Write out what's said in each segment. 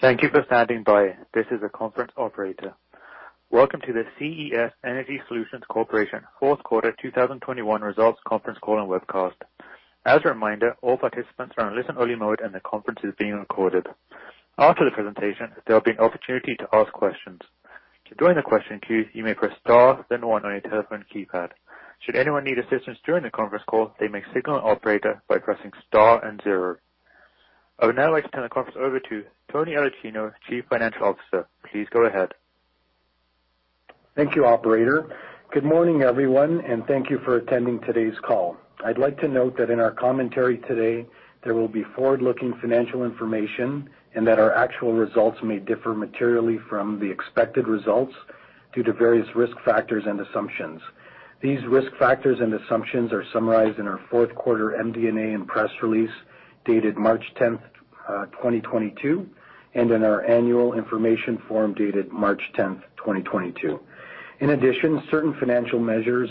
Thank you for standing by. This is the conference operator. Welcome to the CES Energy Solutions Corporation Fourth Quarter 2021 Results Conference Call and Webcast. As a reminder, all participants are in listen-only mode, and the conference is being recorded. After the presentation, there will be an opportunity to ask questions. To join the question queue, you may press star then one on your telephone keypad. Should anyone need assistance during the conference call, they may signal an operator by pressing star and zero. I would now like to turn the conference over to Tony Aulicino, Chief Financial Officer. Please go ahead. Thank you, operator. Good morning, everyone, and thank you for attending today's call. I'd like to note that in our commentary today, there will be forward-looking financial information and that our actual results may differ materially from the expected results due to various risk factors and assumptions. These risk factors and assumptions are summarized in our fourth quarter MD&A and press release dated March 10th, 2022 and in our annual information form dated March 10th, 2022. In addition, certain financial measures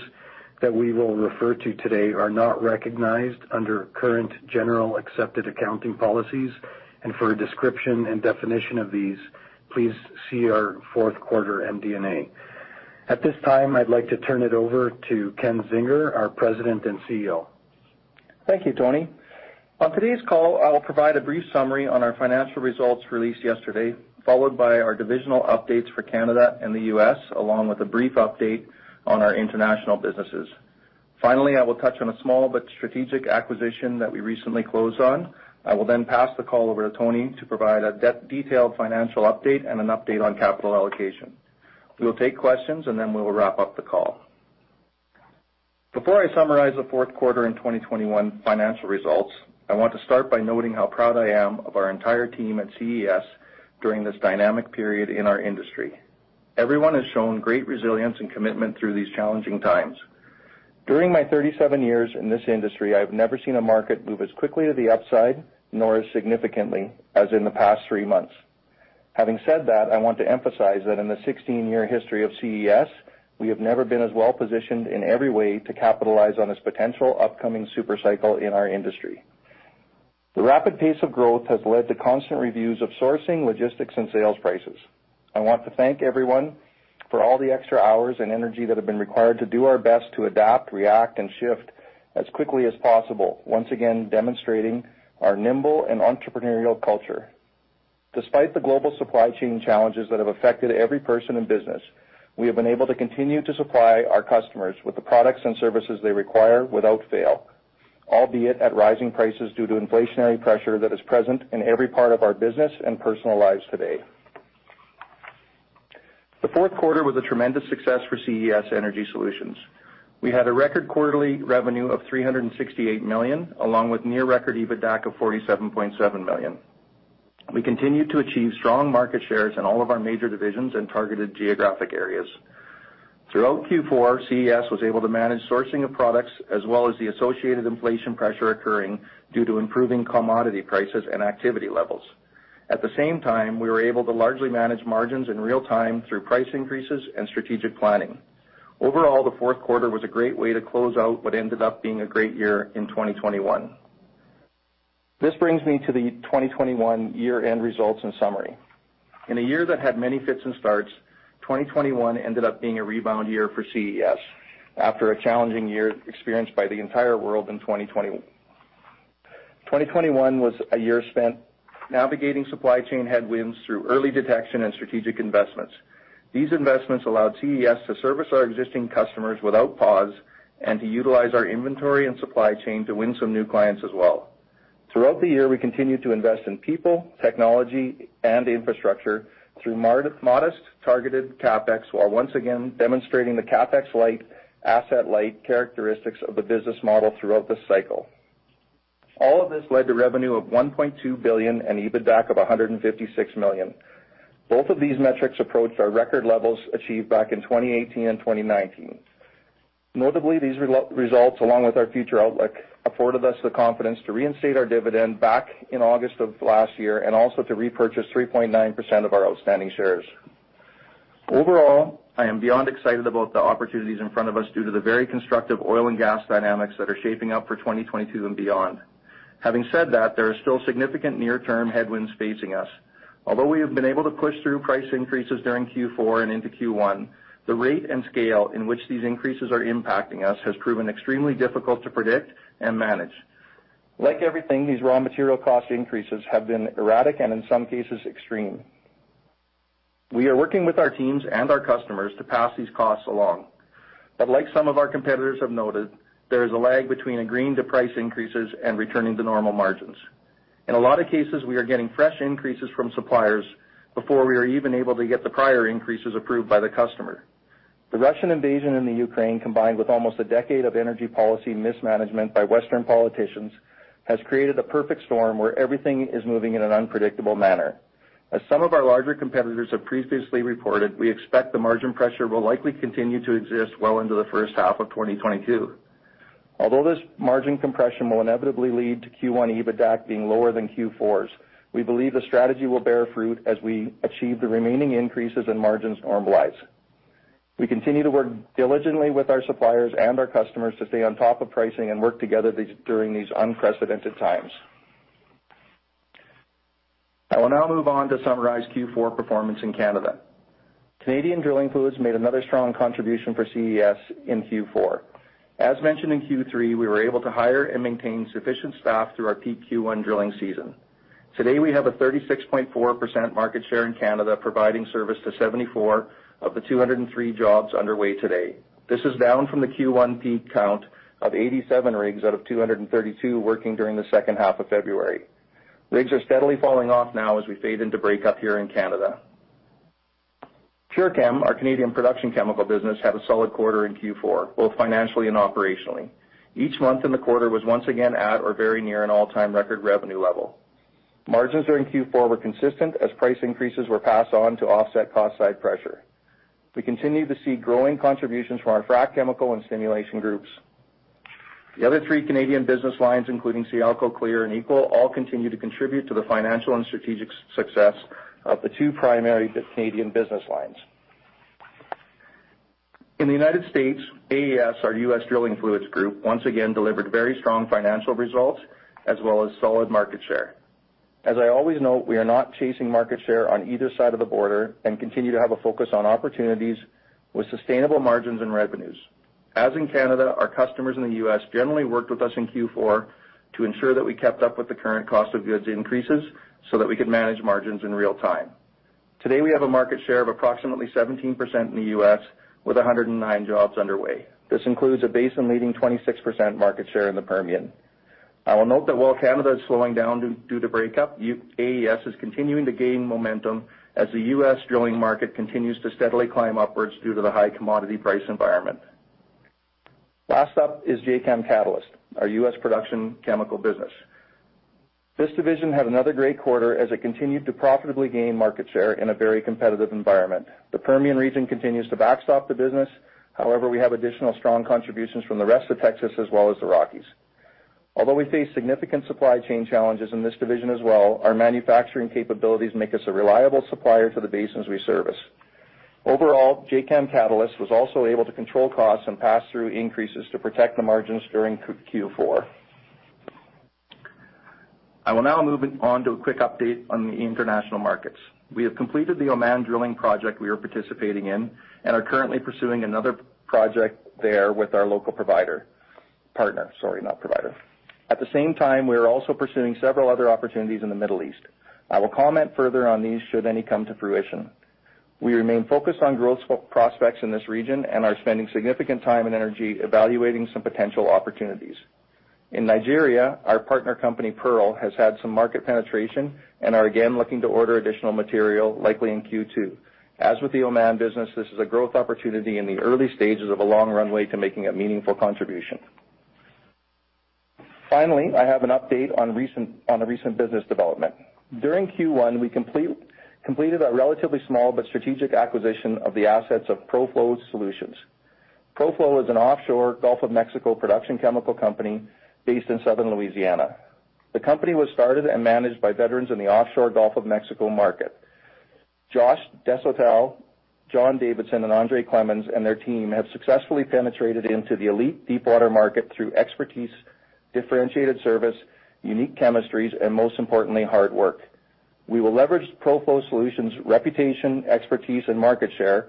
that we will refer to today are not recognized under current general accepted accounting policies. For a description and definition of these, please see our fourth quarter MD&A. At this time, I'd like to turn it over to Ken Zinger, our President and CEO. Thank you, Tony. On today's call, I will provide a brief summary on our financial results released yesterday, followed by our divisional updates for Canada and the U.S., along with a brief update on our international businesses. Finally, I will touch on a small but strategic acquisition that we recently closed on. I will then pass the call over to Tony to provide a detailed financial update and an update on capital allocation. We will take questions, and then we will wrap up the call. Before I summarize the fourth quarter in 2021 financial results, I want to start by noting how proud I am of our entire team at CES during this dynamic period in our industry. Everyone has shown great resilience and commitment through these challenging times. During my 37 years in this industry, I have never seen a market move as quickly to the upside, nor as significantly as in the past three months. Having said that, I want to emphasize that in the 16-year history of CES, we have never been as well-positioned in every way to capitalize on this potential upcoming super cycle in our industry. The rapid pace of growth has led to constant reviews of sourcing, logistics, and sales prices. I want to thank everyone for all the extra hours and energy that have been required to do our best to adapt, react, and shift as quickly as possible, once again demonstrating our nimble and entrepreneurial culture. Despite the global supply chain challenges that have affected every person in business, we have been able to continue to supply our customers with the products and services they require without fail, albeit at rising prices due to inflationary pressure that is present in every part of our business and personal lives today. The fourth quarter was a tremendous success for CES Energy Solutions. We had a record quarterly revenue of 368 million, along with near record EBITDAC of 47.7 million. We continued to achieve strong market shares in all of our major divisions and targeted geographic areas. Throughout Q4, CES was able to manage sourcing of products as well as the associated inflation pressure occurring due to improving commodity prices and activity levels. At the same time, we were able to largely manage margins in real time through price increases and strategic planning. Overall, the fourth quarter was a great way to close out what ended up being a great year in 2021. This brings me to the 2021 year-end results and summary. In a year that had many fits and starts, 2021 ended up being a rebound year for CES after a challenging year experienced by the entire world in 2020. 2021 was a year spent navigating supply chain headwinds through early detection and strategic investments. These investments allowed CES to service our existing customers without pause and to utilize our inventory and supply chain to win some new clients as well. Throughout the year, we continued to invest in people, technology, and infrastructure through modest targeted CapEx, while once again demonstrating the CapEx-light, asset-light characteristics of the business model throughout this cycle. All of this led to revenue of 1.2 billion and EBITDAC of 156 million. Both of these metrics approached our record levels achieved back in 2018 and 2019. Notably, these results, along with our future outlook, afforded us the confidence to reinstate our dividend back in August of last year and also to repurchase 3.9% of our outstanding shares. Overall, I am beyond excited about the opportunities in front of us due to the very constructive oil and gas dynamics that are shaping up for 2022 and beyond. Having said that, there are still significant near-term headwinds facing us. Although we have been able to push through price increases during Q4 and into Q1, the rate and scale in which these increases are impacting us has proven extremely difficult to predict and manage. Like everything, these raw material cost increases have been erratic and, in some cases, extreme. We are working with our teams and our customers to pass these costs along. But like some of our competitors have noted, there is a lag between agreeing to price increases and returning to normal margins. In a lot of cases, we are getting fresh increases from suppliers before we are even able to get the prior increases approved by the customer. The Russian invasion in the Ukraine, combined with almost a decade of energy policy mismanagement by Western politicians, has created a perfect storm where everything is moving in an unpredictable manner. As some of our larger competitors have previously reported, we expect the margin pressure will likely continue to exist well into the first half of 2022. Although this margin compression will inevitably lead to Q1 EBITDAC being lower than Q4's, we believe the strategy will bear fruit as we achieve the remaining increases in margins normalize. We continue to work diligently with our suppliers and our customers to stay on top of pricing and work together during these unprecedented times. I will now move on to summarize Q4 performance in Canada. Canadian drilling fluids made another strong contribution for CES in Q4. As mentioned in Q3, we were able to hire and maintain sufficient staff through our peak Q1 drilling season. Today, we have a 36.4% market share in Canada, providing service to 74 of the 203 jobs underway today. This is down from the Q1 peak count of 87 rigs out of 232 working during the second half of February. Rigs are steadily falling off now as we fade into breakup here in Canada. PureChem, our Canadian production chemical business, had a solid quarter in Q4, both financially and operationally. Each month in the quarter was once again at or very near an all-time record revenue level. Margins during Q4 were consistent as price increases were passed on to offset cost side pressure. We continue to see growing contributions from our frac chemical and stimulation groups. The other three Canadian business lines, including Sialco, Clear, and Equal, all continue to contribute to the financial and strategic success of the two primary Canadian business lines. In the United States, AES, our U.S. drilling fluids group, once again delivered very strong financial results as well as solid market share. As I always note, we are not chasing market share on either side of the border and continue to have a focus on opportunities with sustainable margins and revenues. As in Canada, our customers in the U.S. generally worked with us in Q4 to ensure that we kept up with the current cost of goods increases so that we could manage margins in real time. Today, we have a market share of approximately 17% in the U.S. with 109 jobs underway. This includes a basin-leading 26% market share in the Permian. I will note that while Canada is slowing down due to breakup, AES is continuing to gain momentum as the U.S. drilling market continues to steadily climb upwards due to the high commodity price environment. Last up is Jacam Catalyst, our U.S. production chemical business. This division had another great quarter as it continued to profitably gain market share in a very competitive environment. The Permian region continues to backstop the business. However, we have additional strong contributions from the rest of Texas as well as the Rockies. Although we face significant supply chain challenges in this division as well, our manufacturing capabilities make us a reliable supplier to the basins we service. Overall, Jacam Catalyst was also able to control costs and pass through increases to protect the margins during Q4. I will now move on to a quick update on the international markets. We have completed the Oman drilling project we are participating in and are currently pursuing another project there with our local partner. Sorry, not provider. At the same time, we are also pursuing several other opportunities in the Middle East. I will comment further on these should any come to fruition. We remain focused on growth prospects in this region and are spending significant time and energy evaluating some potential opportunities. In Nigeria, our partner company, Pearl, has had some market penetration and are again looking to order additional material likely in Q2. As with the Oman business, this is a growth opportunity in the early stages of a long runway to making a meaningful contribution. Finally, I have an update on a recent business development. During Q1, we completed a relatively small but strategic acquisition of the assets of Proflow Solutions. Proflow is an offshore Gulf of Mexico production chemical company based in southern Louisiana. The company was started and managed by veterans in the offshore Gulf of Mexico market. Josh Desautels, John Davidson, and Andre Clemens and their team have successfully penetrated into the elite deepwater market through expertise, differentiated service, unique chemistries, and most importantly, hard work. We will leverage Proflow Solutions' reputation, expertise, and market share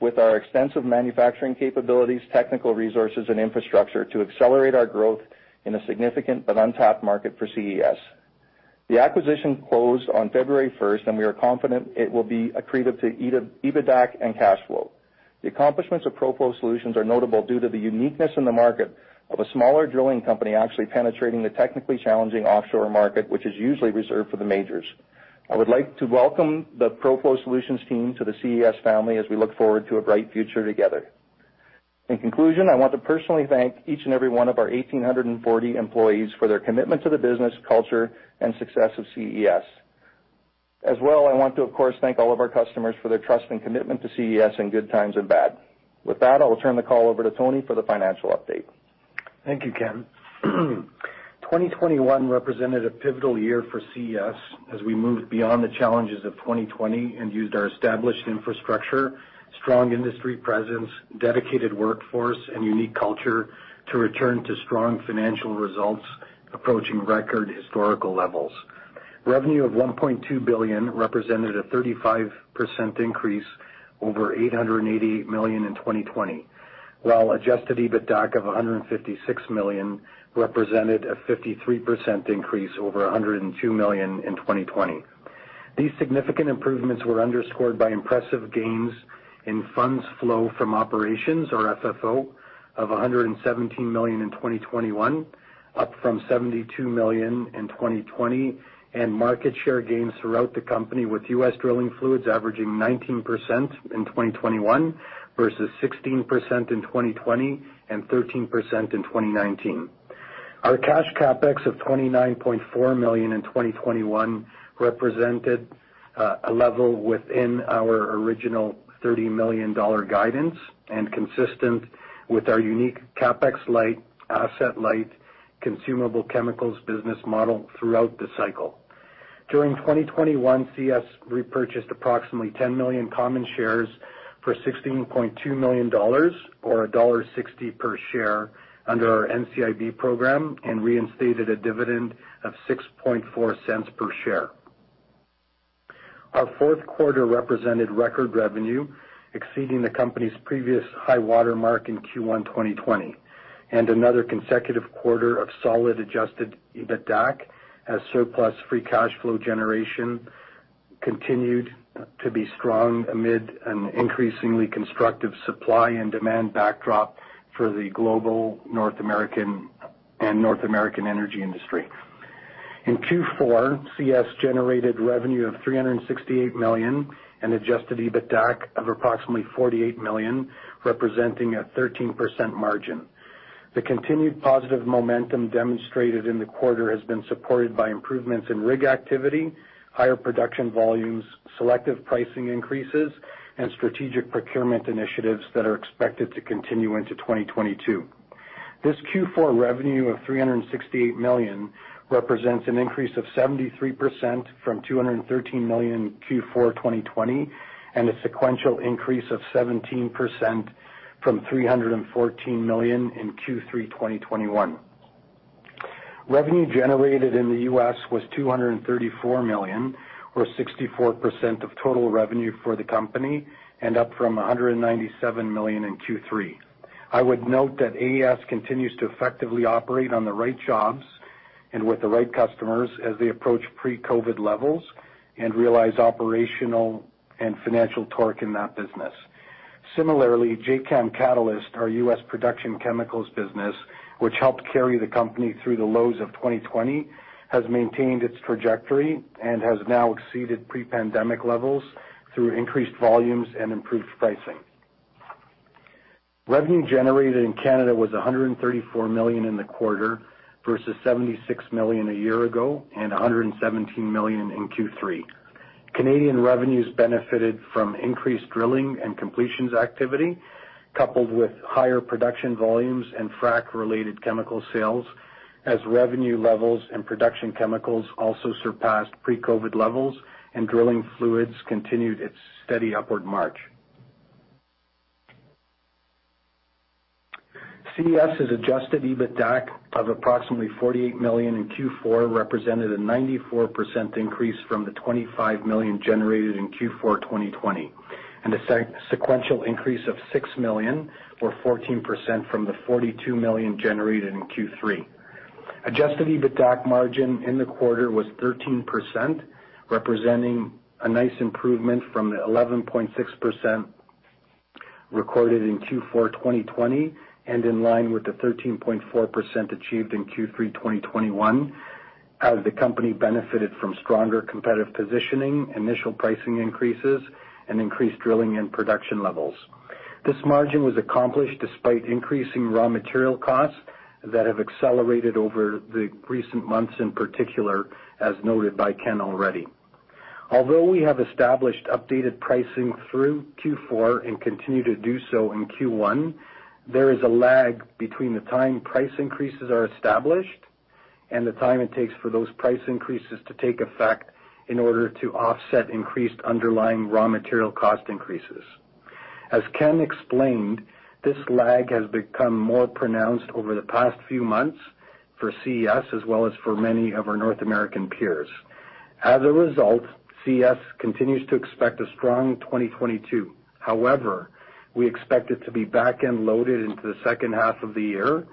with our extensive manufacturing capabilities, technical resources, and infrastructure to accelerate our growth in a significant but untapped market for CES. The acquisition closed on February first, and we are confident it will be accretive to EBITDAC and cash flow. The accomplishments of Proflow Solutions are notable due to the uniqueness in the market of a smaller drilling company actually penetrating the technically challenging offshore market, which is usually reserved for the majors. I would like to welcome the Proflow Solutions team to the CES family as we look forward to a bright future together. In conclusion, I want to personally thank each and every one of our 1,840 employees for their commitment to the business, culture, and success of CES. As well, I want to, of course, thank all of our customers for their trust and commitment to CES in good times and bad. With that, I will turn the call over to Tony for the financial update. Thank you, Ken. 2021 represented a pivotal year for CES as we moved beyond the challenges of 2020 and used our established infrastructure, strong industry presence, dedicated workforce, and unique culture to return to strong financial results approaching record historical levels. Revenue of 1.2 billion represented a 35% increase over 888 million in 2020, while adjusted EBITDAC of 156 million represented a 53% increase over 102 million in 2020. These significant improvements were underscored by impressive gains in funds flow from operations, or FFO, of 117 million in 2021, up from 72 million in 2020, and market share gains throughout the company, with U.S. drilling fluids averaging 19% in 2021 versus 16% in 2020 and 13% in 2019. Our cash CapEx of 29.4 million in 2021 represented a level within our original 30 million dollar guidance and consistent with our unique CapEx-light, asset-light, consumable chemicals business model throughout the cycle. During 2021, CES repurchased approximately 10 million common shares for 16.2 million dollars or dollar 1.60 per share under our NCIB program and reinstated a dividend of 0.064 per share. Our fourth quarter represented record revenue exceeding the company's previous high water mark in Q1 2020, and another consecutive quarter of solid adjusted EBITDAC as surplus free cash flow generation continued to be strong amid an increasingly constructive supply and demand backdrop for the global North American energy industry. In Q4, CES generated revenue of 368 million and adjusted EBITDAC of approximately 48 million, representing a 13% margin. The continued positive momentum demonstrated in the quarter has been supported by improvements in rig activity, higher production volumes, selective pricing increases, and strategic procurement initiatives that are expected to continue into 2022. This Q4 revenue of 368 million represents an increase of 73% from 213 million in Q4 2020, and a sequential increase of 17% from 314 million in Q3 2021. Revenue generated in the U.S. was $234 million, or 64% of total revenue for the company, and up from $197 million in Q3. I would note that AES continues to effectively operate on the right jobs and with the right customers as they approach pre-COVID levels and realize operational and financial torque in that business. Similarly, Jacam Catalyst, our U.S. production chemicals business, which helped carry the company through the lows of 2020, has maintained its trajectory and has now exceeded pre-pandemic levels through increased volumes and improved pricing. Revenue generated in Canada was 134 million in the quarter versus 76 million a year ago and 117 million in Q3. Canadian revenues benefited from increased drilling and completions activity, coupled with higher production volumes and frac-related chemical sales, as revenue levels and production chemicals also surpassed pre-COVID levels and drilling fluids continued its steady upward march. CES's adjusted EBITDAC of approximately 48 million in Q4 represented a 94% increase from the 25 million generated in Q4 2020, and a sequential increase of 6 million, or 14% from the 42 million generated in Q3. Adjusted EBITDAC margin in the quarter was 13%, representing a nice improvement from the 11.6% recorded in Q4 2020 and in line with the 13.4% achieved in Q3 2021 as the company benefited from stronger competitive positioning, initial pricing increases, and increased drilling and production levels. This margin was accomplished despite increasing raw material costs that have accelerated over the recent months, in particular, as noted by Ken already. Although we have established updated pricing through Q4 and continue to do so in Q1, there is a lag between the time price increases are established and the time it takes for those price increases to take effect in order to offset increased underlying raw material cost increases. As Ken explained, this lag has become more pronounced over the past few months for CES as well as for many of our North American peers. As a result, CES continues to expect a strong 2022. However, we expect it to be back end loaded into the second half of the year.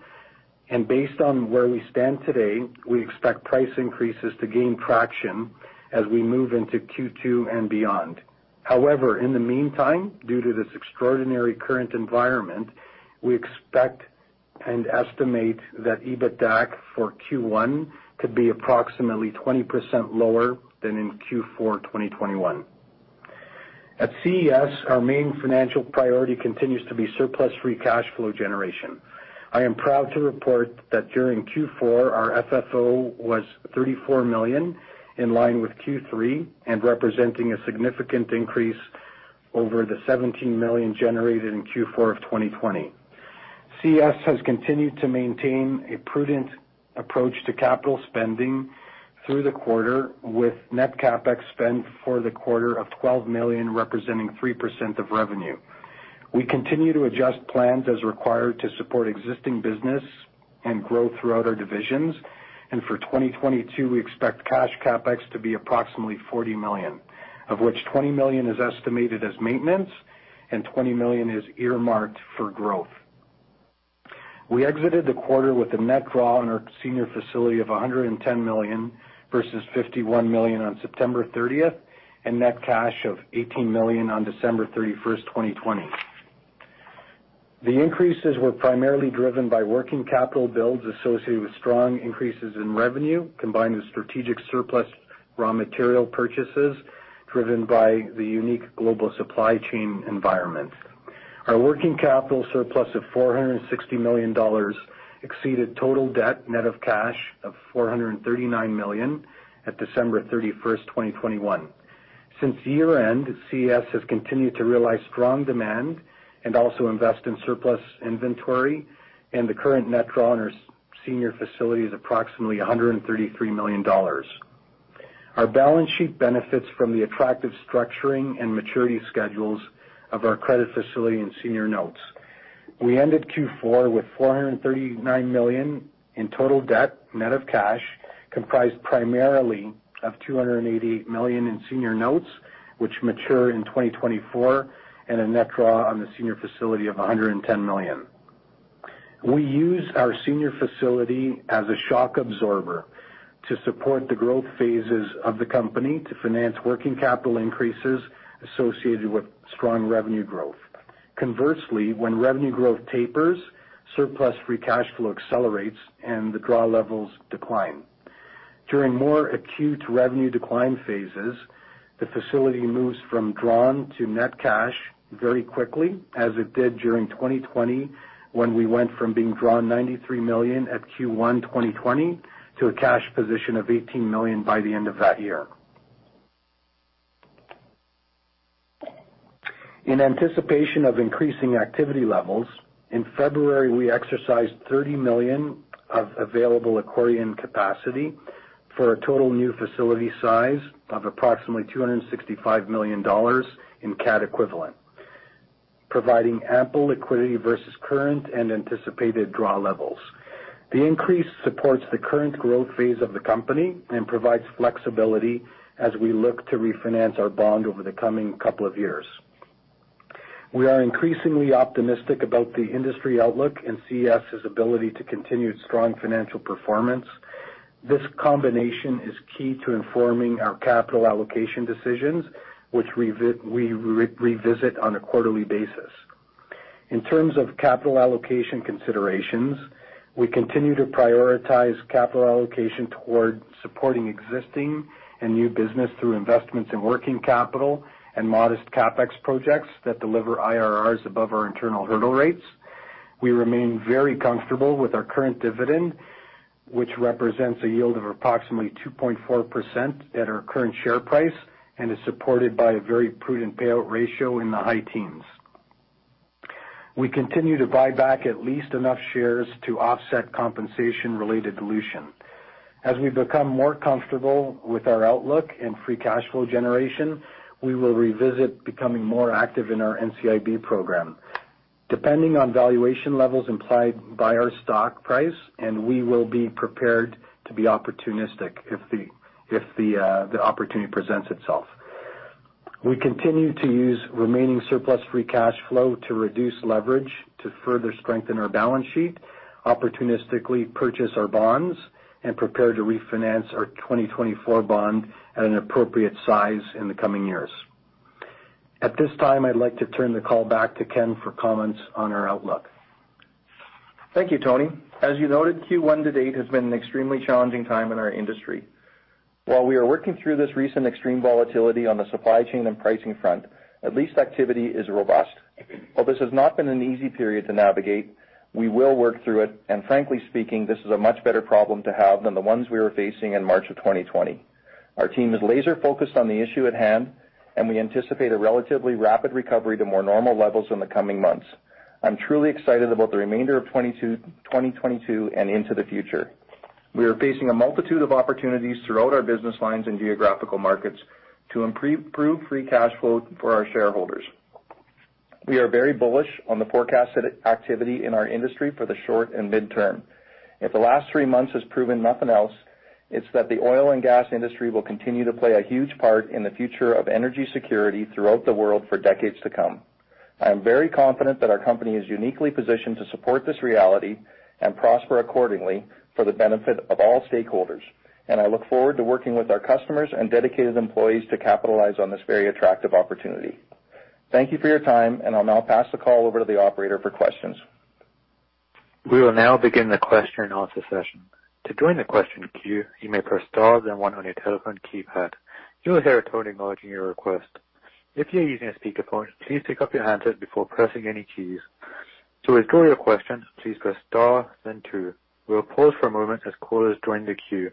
Based on where we stand today, we expect price increases to gain traction as we move into Q2 and beyond. However, in the meantime, due to this extraordinary current environment, we expect and estimate that EBITDAC for Q1 to be approximately 20% lower than in Q4 2021. At CES, our main financial priority continues to be surplus free cash flow generation. I am proud to report that during Q4, our FFO was 34 million, in line with Q3, and representing a significant increase over the 17 million generated in Q4 of 2020. CES has continued to maintain a prudent approach to capital spending through the quarter, with net CapEx spend for the quarter of 12 million, representing 3% of revenue. We continue to adjust plans as required to support existing business and growth throughout our divisions. For 2022, we expect cash CapEx to be approximately 40 million, of which 20 million is estimated as maintenance and 20 million is earmarked for growth. We exited the quarter with a net draw on our senior facility of 110 million versus 51 million on September 30th and net cash of 18 million on December 31st, 2020. The increases were primarily driven by working capital builds associated with strong increases in revenue combined with strategic surplus raw material purchases driven by the unique global supply chain environment. Our working capital surplus of 460 million dollars exceeded total debt net of cash of 439 million at December 31st, 2021. Since year-end, CES has continued to realize strong demand and also invest in surplus inventory, and the current net draw on our senior facility is approximately 133 million dollars. Our balance sheet benefits from the attractive structuring and maturity schedules of our credit facility and senior notes. We ended Q4 with 439 million in total debt, net of cash, comprised primarily of 288 million in senior notes, which mature in 2024, and a net draw on the senior facility of 110 million. We use our senior facility as a shock absorber to support the growth phases of the company to finance working capital increases associated with strong revenue growth. Conversely, when revenue growth tapers, surplus free cash flow accelerates and the draw levels decline. During more acute revenue decline phases, the facility moves from drawn to net cash very quickly, as it did during 2020 when we went from being drawn 93 million at Q1 2020 to a cash position of 18 million by the end of that year. In anticipation of increasing activity levels, in February, we exercised 30 million of available accordion capacity for a total new facility size of approximately 265 million dollars in CAD equivalent, providing ample liquidity versus current and anticipated draw levels. The increase supports the current growth phase of the company and provides flexibility as we look to refinance our bond over the coming couple of years. We are increasingly optimistic about the industry outlook and CES's ability to continue strong financial performance. This combination is key to informing our capital allocation decisions, which we revisit on a quarterly basis. In terms of capital allocation considerations, we continue to prioritize capital allocation toward supporting existing and new business through investments in working capital and modest CapEx projects that deliver IRRs above our internal hurdle rates. We remain very comfortable with our current dividend, which represents a yield of approximately 2.4% at our current share price and is supported by a very prudent payout ratio in the high teens. We continue to buy back at least enough shares to offset compensation-related dilution. As we become more comfortable with our outlook and free cash flow generation, we will revisit becoming more active in our NCIB program. Depending on valuation levels implied by our stock price, and we will be prepared to be opportunistic if the opportunity presents itself. We continue to use remaining surplus free cash flow to reduce leverage to further strengthen our balance sheet, opportunistically purchase our bonds and prepare to refinance our 2024 bond at an appropriate size in the coming years. At this time, I'd like to turn the call back to Ken for comments on our outlook. Thank you, Tony. As you noted, Q1 to date has been an extremely challenging time in our industry. While we are working through this recent extreme volatility on the supply chain and pricing front, at least activity is robust. While this has not been an easy period to navigate, we will work through it, and frankly speaking, this is a much better problem to have than the ones we were facing in March of 2020. Our team is laser-focused on the issue at hand, and we anticipate a relatively rapid recovery to more normal levels in the coming months. I'm truly excited about the remainder of 2022 and into the future. We are facing a multitude of opportunities throughout our business lines and geographical markets to improve free cash flow for our shareholders. We are very bullish on the forecasted activity in our industry for the short and midterm. If the last three months has proven nothing else, it's that the oil and gas industry will continue to play a huge part in the future of energy security throughout the world for decades to come. I am very confident that our company is uniquely positioned to support this reality and prosper accordingly for the benefit of all stakeholders. I look forward to working with our customers and dedicated employees to capitalize on this very attractive opportunity. Thank you for your time, and I'll now pass the call over to the operator for questions. We will now begin the question and answer session. To join the question queue, you may press star then one on your telephone keypad. You'll hear a tone acknowledging your request. If you're using a speakerphone, please pick up your handset before pressing any keys. To withdraw your question, please press star then two. We'll pause for a moment as callers join the queue.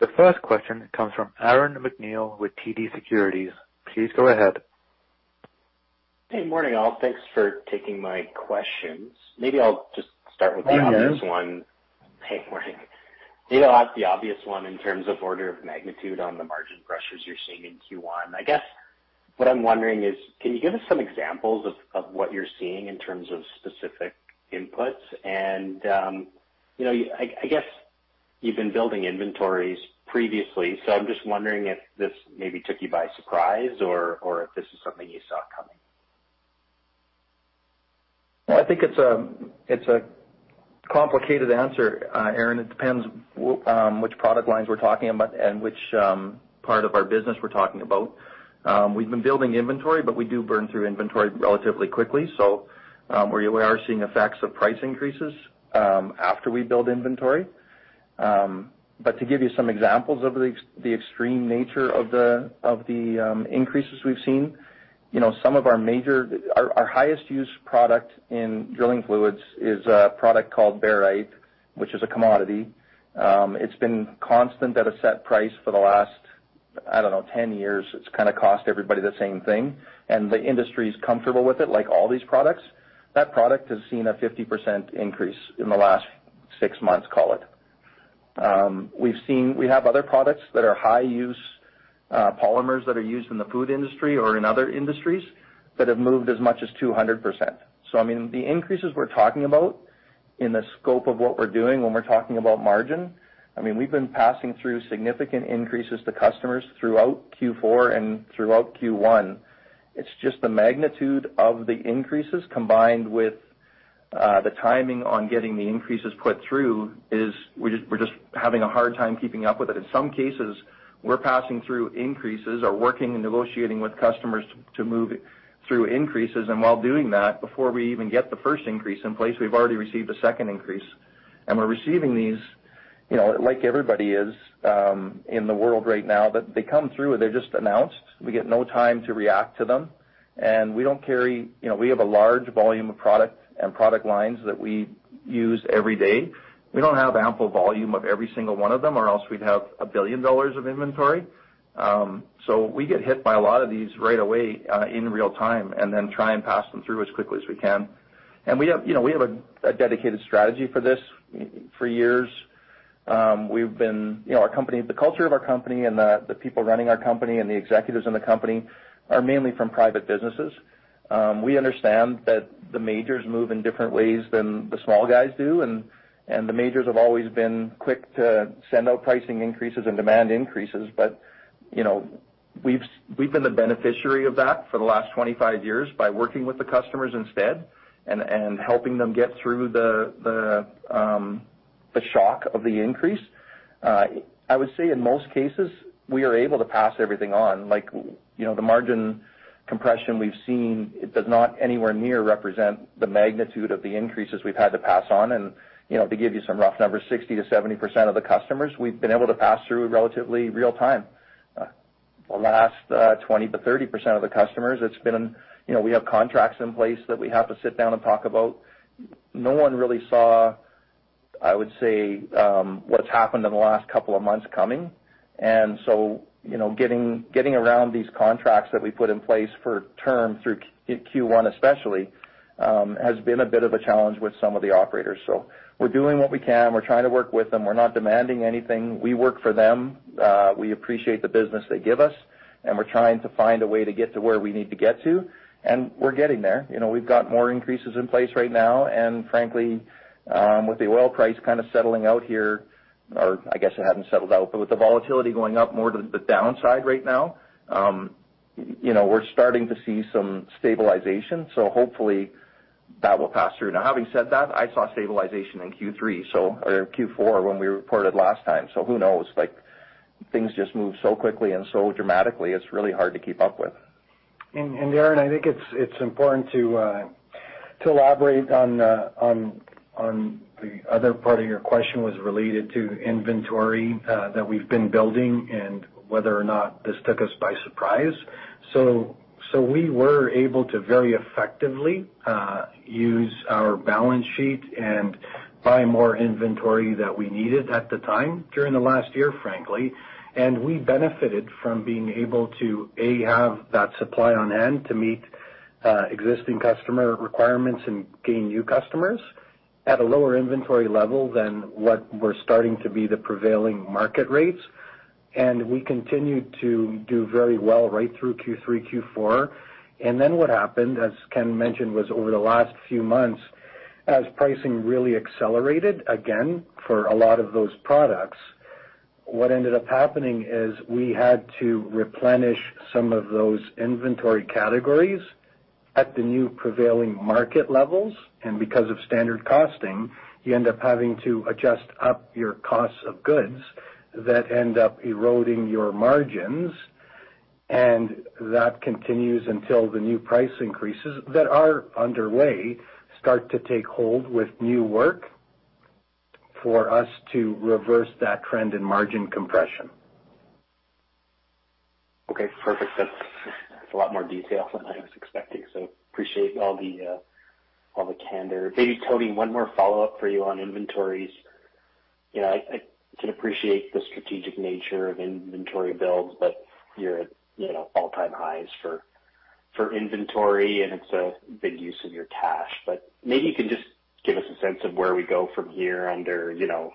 The first question comes from Aaron MacNeil with TD Securities. Please go ahead. Hey, morning, all. Thanks for taking my questions. Maybe I'll just start with. Morning. The obvious one. Hey, morning. You know, ask the obvious one in terms of order of magnitude on the margin pressures you're seeing in Q1. I guess what I'm wondering is, can you give us some examples of what you're seeing in terms of specific inputs? You know, I guess you've been building inventories previously. So I'm just wondering if this maybe took you by surprise or if this is something you saw coming. Well, I think it's a complicated answer, Aaron. It depends which product lines we're talking about and which part of our business we're talking about. We've been building inventory, but we do burn through inventory relatively quickly. So, we are seeing effects of price increases after we build inventory. But to give you some examples of the extreme nature of the increases we've seen, you know, our highest used product in drilling fluids is a product called barite, which is a commodity. It's been constant at a set price for the last 10 years. It's kinda cost everybody the same thing, and the industry is comfortable with it, like all these products. That product has seen a 50% increase in the last six months, call it. We have other products that are high use polymers that are used in the food industry or in other industries that have moved as much as 200%. I mean, the increases we're talking about in the scope of what we're doing when we're talking about margin, I mean, we've been passing through significant increases to customers throughout Q4 and throughout Q1. It's just the magnitude of the increases combined with the timing on getting the increases put through is we're just having a hard time keeping up with it. In some cases, we're passing through increases or working and negotiating with customers to move through increases. While doing that, before we even get the first increase in place, we've already received a second increase. We're receiving these, you know, like everybody is, in the world right now, that they come through, and they're just announced. We get no time to react to them. We don't carry, you know, we have a large volume of product and product lines that we use every day. We don't have ample volume of every single one of them, or else we'd have $1 billion of inventory. We get hit by a lot of these right away, in real time and then try and pass them through as quickly as we can. We have, you know, we have a dedicated strategy for this for years. We've been, you know, our company, the culture of our company and the people running our company and the executives in the company are mainly from private businesses. We understand that the majors move in different ways than the small guys do. The majors have always been quick to send out pricing increases and demand increases. You know, we've been the beneficiary of that for the last 25 years by working with the customers instead and helping them get through the shock of the increase. I would say in most cases, we are able to pass everything on. Like, you know, the margin compression we've seen, it does not anywhere near represent the magnitude of the increases we've had to pass on. You know, to give you some rough numbers, 60%-70% of the customers we've been able to pass through relatively real time. The last 20%-30% of the customers, it's been, you know, we have contracts in place that we have to sit down and talk about. No one really saw, I would say, what's happened in the last couple of months coming. You know, getting around these contracts that we put in place for term through Q1 especially has been a bit of a challenge with some of the operators. We're doing what we can. We're trying to work with them. We're not demanding anything. We work for them. We appreciate the business they give us, and we're trying to find a way to get to where we need to get to, and we're getting there. You know, we've got more increases in place right now. Frankly, with the oil price kind of settling out here, or I guess it hasn't settled out, but with the volatility going up more to the downside right now, you know, we're starting to see some stabilization, so hopefully that will pass through. Now, having said that, I saw stabilization in Q3 or Q4 when we reported last time. Who knows? Like, things just move so quickly and so dramatically, it's really hard to keep up with. Aaron, I think it's important to elaborate on the other part of your question, which was related to inventory that we've been building and whether or not this took us by surprise. We were able to very effectively use our balance sheet and buy more inventory than we needed at the time during the last year, frankly. We benefited from being able to A, have that supply on hand to meet existing customer requirements and gain new customers at a lower inventory level than what we're starting to be the prevailing market rates. We continued to do very well right through Q3, Q4. What happened, as Ken mentioned, was over the last few months as pricing really accelerated again for a lot of those products, what ended up happening is we had to replenish some of those inventory categories at the new prevailing market levels. Because of standard costing, you end up having to adjust up your cost of goods that end up eroding your margins. That continues until the new price increases that are underway start to take hold with new work for us to reverse that trend in margin compression. Okay, perfect. That's a lot more detail than I was expecting, so appreciate all the candor. Maybe, Tony, one more follow-up for you on inventories. You know, I can appreciate the strategic nature of inventory builds, but you're at, you know, all-time highs for inventory, and it's a big use of your cash. Maybe you can just give us a sense of where we go from here under, you know,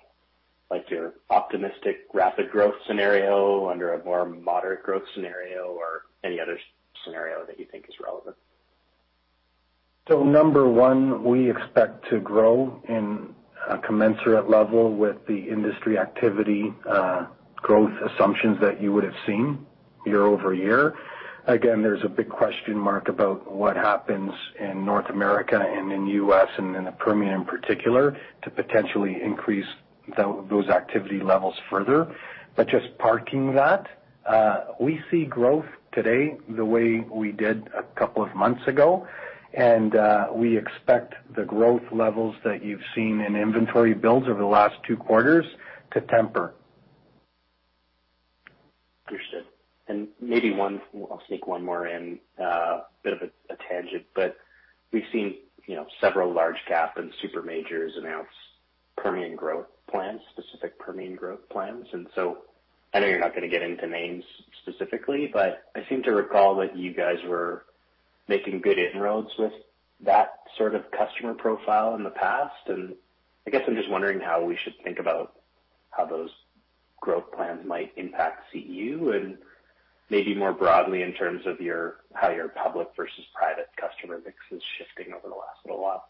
like your optimistic rapid growth scenario, under a more moderate growth scenario, or any other scenario that you think is relevant. Number one, we expect to grow in a commensurate level with the industry activity, growth assumptions that you would have seen year-over-year. Again, there's a big question mark about what happens in North America and in U.S. and in the Permian in particular to potentially increase those activity levels further. Just parking that, we see growth today the way we did a couple of months ago, and we expect the growth levels that you've seen in inventory builds over the last two quarters to temper. Maybe one. I'll sneak one more in, a bit of a tangent, but we've seen, you know, several large-cap and super majors announce Permian growth plans, specific Permian growth plans. I know you're not gonna get into names specifically, but I seem to recall that you guys were making good inroads with that sort of customer profile in the past. I guess I'm just wondering how we should think about how those growth plans might impact CU and maybe more broadly in terms of your public versus private customer mix is shifting over the last little while.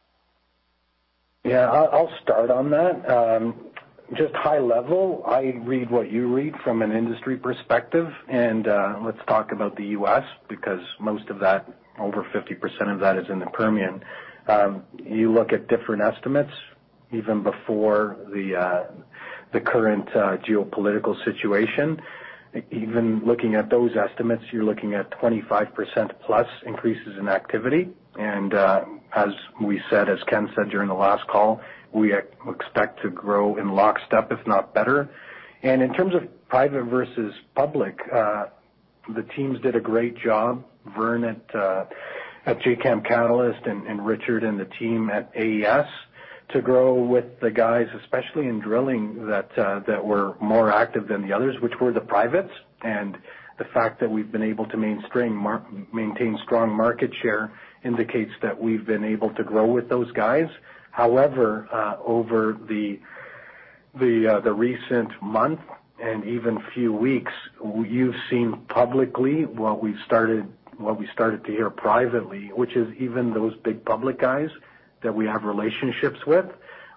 Yeah, I'll start on that. Just high level, I read what you read from an industry perspective. Let's talk about the U.S. because most of that, over 50% of that is in the Permian. You look at different estimates even before the current geopolitical situation. Even looking at those estimates, you're looking at 25%+ increases in activity. As we said, as Ken said during the last call, we expect to grow in lockstep, if not better. In terms of private versus public, the teams did a great job, Vern at Jacam Catalyst and Richard and the team at AES to grow with the guys, especially in drilling that were more active than the others, which were the privates. The fact that we've been able to maintain strong market share indicates that we've been able to grow with those guys. However, over the recent month and even few weeks, you've seen publicly what we started to hear privately, which is even those big public guys that we have relationships with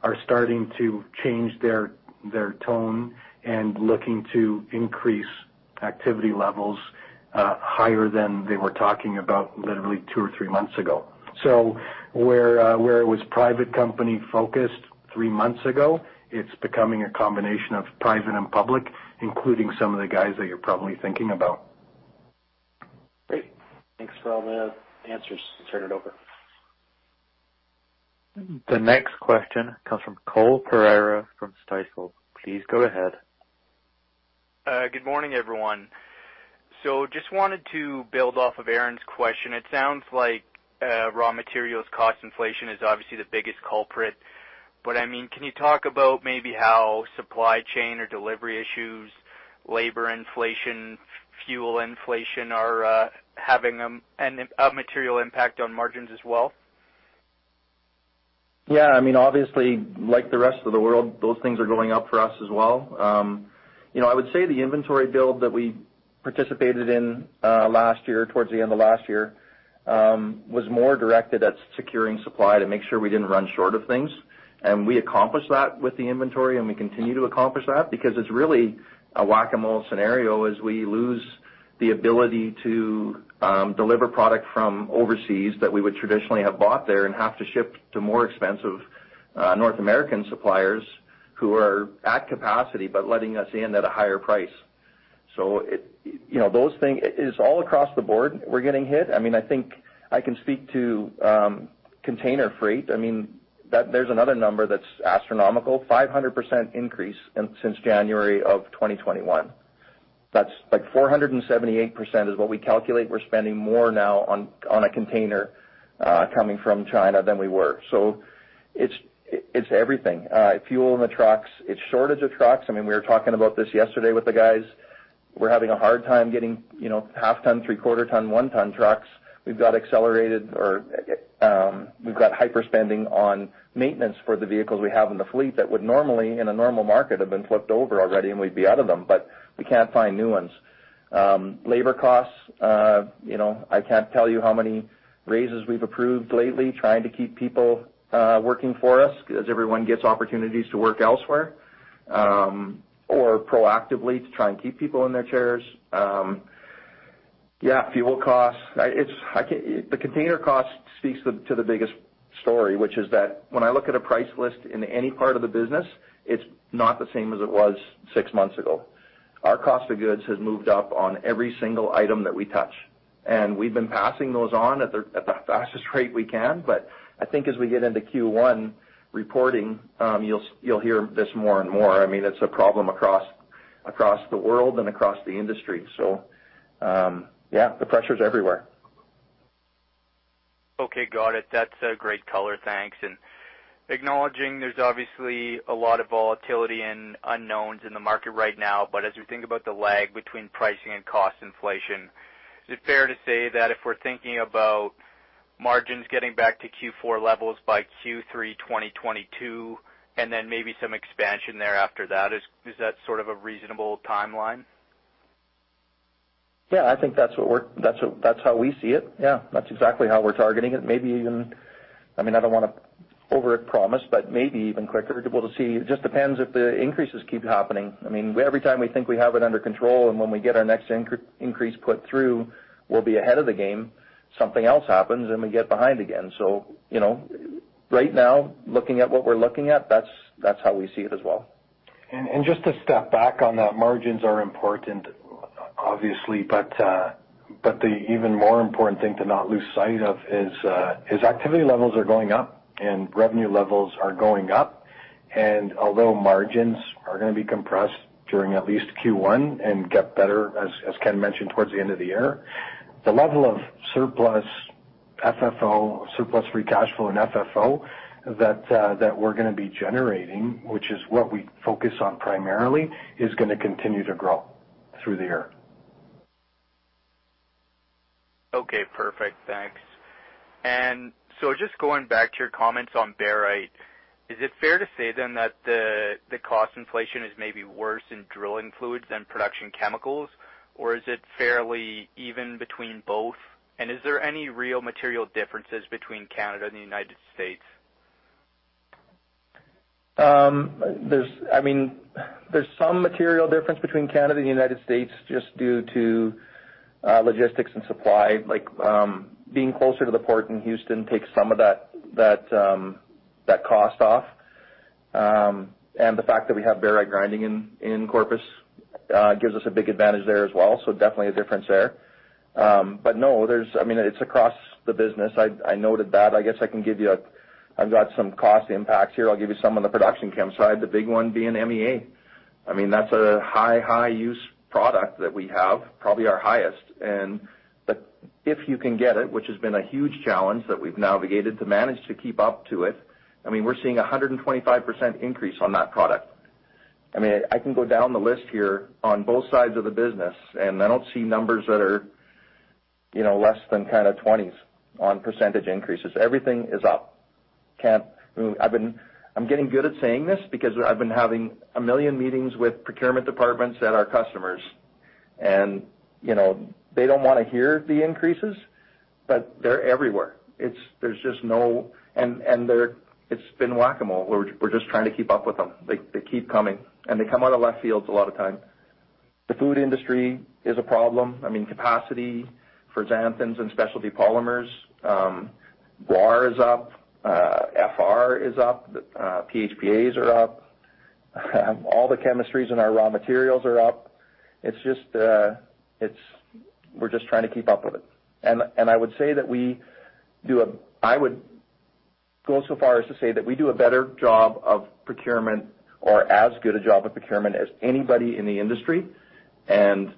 are starting to change their tone and looking to increase activity levels higher than they were talking about literally two or three months ago. So where it was private company focused three months ago, it's becoming a combination of private and public, including some of the guys that you're probably thinking about. Great. Thanks for all the answers. Turn it over. The next question comes from Cole Pereira from Stifel. Please go ahead. Good morning, everyone. Just wanted to build off of Aaron's question. It sounds like raw materials cost inflation is obviously the biggest culprit, but I mean, can you talk about maybe how supply chain or delivery issues, labor inflation, fuel inflation are having a material impact on margins as well? Yeah, I mean, obviously like the rest of the world, those things are going up for us as well. You know, I would say the inventory build that we participated in, last year, towards the end of last year, was more directed at securing supply to make sure we didn't run short of things. We accomplished that with the inventory, and we continue to accomplish that because it's really a whack-a-mole scenario as we lose the ability to deliver product from overseas that we would traditionally have bought there and have to ship to more expensive North American suppliers who are at capacity but letting us in at a higher price. It. You know, those things. It's all across the board we're getting hit. I mean, I think I can speak to container freight. I mean, there's another number that's astronomical, 500% increase since January of 2021. That's like 478% is what we calculate we're spending more now on a container coming from China than we were. It's everything. Fuel in the trucks. Shortage of trucks. I mean, we were talking about this yesterday with the guys. We're having a hard time getting, you know, half-ton, three-quarter-ton, one-ton trucks. We've got hyper spending on maintenance for the vehicles we have in the fleet that would normally, in a normal market, have been flipped over already and we'd be out of them, but we can't find new ones. Labor costs, you know, I can't tell you how many raises we've approved lately trying to keep people working for us as everyone gets opportunities to work elsewhere, or proactively to try and keep people in their chairs. Yeah, fuel costs. The container cost speaks to the biggest story, which is that when I look at a price list in any part of the business, it's not the same as it was six months ago. Our cost of goods has moved up on every single item that we touch, and we've been passing those on at the fastest rate we can. I think as we get into Q1 reporting, you'll hear this more and more. I mean, it's a problem across the world and across the industry. Yeah, the pressure's everywhere. Okay, got it. That's a great color. Thanks. Acknowledging there's obviously a lot of volatility and unknowns in the market right now, but as we think about the lag between pricing and cost inflation, is it fair to say that if we're thinking about margins getting back to Q4 levels by Q3 2022 and then maybe some expansion thereafter, is that sort of a reasonable timeline? Yeah, I think that's how we see it. Yeah, that's exactly how we're targeting it. Maybe even, I mean, I don't wanna overpromise, but maybe even quicker to see. It just depends if the increases keep happening. I mean, every time we think we have it under control, and when we get our next increase put through, we'll be ahead of the game. Something else happens, and we get behind again. You know, right now, looking at what we're looking at, that's how we see it as well. Just to step back on that, margins are important obviously, but. The even more important thing to not lose sight of is activity levels are going up and revenue levels are going up. Although margins are gonna be compressed during at least Q1 and get better as Ken mentioned towards the end of the year, the level of surplus FFO, surplus free cash flow and FFO that we're gonna be generating, which is what we focus on primarily, is gonna continue to grow through the year. Okay, perfect. Thanks. Just going back to your comments on barite, is it fair to say then that the cost inflation is maybe worse in drilling fluids than production chemicals, or is it fairly even between both? And is there any real material differences between Canada and the United States? There's some material difference between Canada and the United States just due to logistics and supply. Like, being closer to the port in Houston takes some of that cost off. The fact that we have barite grinding in Corpus gives us a big advantage there as well. Definitely a difference there. No, I mean it's across the business. I noted that. I guess I can give you. I've got some cost impacts here. I'll give you some on the production chem side, the big one being MEA. I mean, that's a high use product that we have, probably our highest. If you can get it, which has been a huge challenge that we've navigated to manage to keep up to it, I mean, we're seeing a 125% increase on that product. I mean, I can go down the list here on both sides of the business, and I don't see numbers that are, you know, less than kind of twenties on % increases. Everything is up. I'm getting good at saying this because I've been having a million meetings with procurement departments at our customers. You know, they don't wanna hear the increases, but they're everywhere. It's just no. They're, it's been whack-a-mole. We're just trying to keep up with them. They keep coming, and they come out of left field a lot of time. The food industry is a problem. I mean, capacity for xanthans and specialty polymers, guar is up, FR is up, PHPAs are up. All the chemistries in our raw materials are up. It's just, we're just trying to keep up with it. I would go so far as to say that we do a better job of procurement or as good a job of procurement as anybody in the industry, and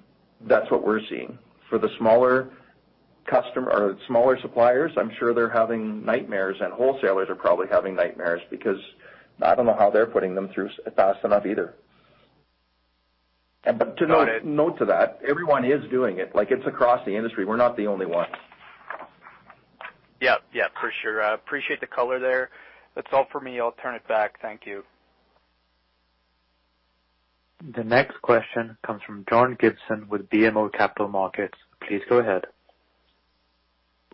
that's what we're seeing. For the smaller customer or smaller suppliers, I'm sure they're having nightmares, and wholesalers are probably having nightmares because I don't know how they're putting them through fast enough either. Got it. To note that, everyone is doing it. Like, it's across the industry. We're not the only ones. Yep. Yep, for sure. I appreciate the color there. That's all for me. I'll turn it back. Thank you. The next question comes from John Gibson with BMO Capital Markets. Please go ahead.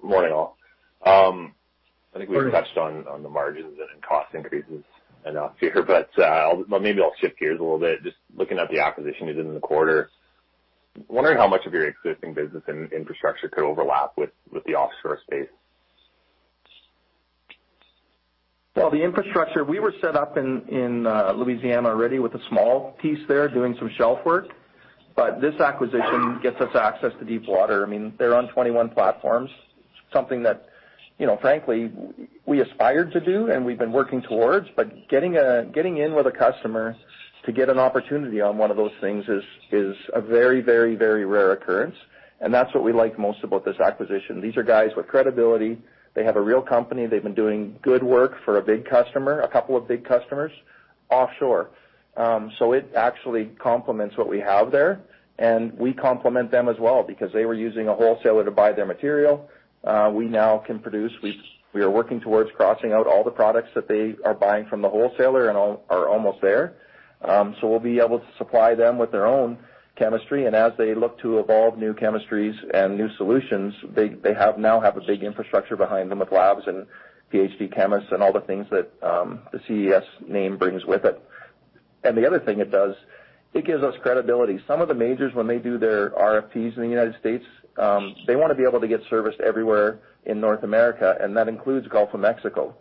Morning all. I think we've touched on the margins and cost increases enough here, but I'll maybe shift gears a little bit. Just looking at the acquisition you did in the quarter. Wondering how much of your existing business and infrastructure could overlap with the offshore space. Well, the infrastructure we were set up in Louisiana already with a small piece there doing some shelf work, but this acquisition gets us access to deep water. I mean, they're on 21 platforms. Something that, you know, frankly, we aspire to do and we've been working towards, but getting in with a customer to get an opportunity on one of those things is a very rare occurrence, and that's what we like most about this acquisition. These are guys with credibility. They have a real company. They've been doing good work for a big customer, a couple of big customers offshore. So it actually complements what we have there, and we complement them as well because they were using a wholesaler to buy their material. We now can produce. We are working towards crossing out all the products that they are buying from the wholesaler and all. We are almost there. We'll be able to supply them with their own chemistry. As they look to evolve new chemistries and new solutions, they now have a big infrastructure behind them with labs and Ph.D. chemists and all the things that the CES name brings with it. The other thing it does, it gives us credibility. Some of the majors, when they do their RFPs in the United States, they wanna be able to get service everywhere in North America, and that includes Gulf of Mexico.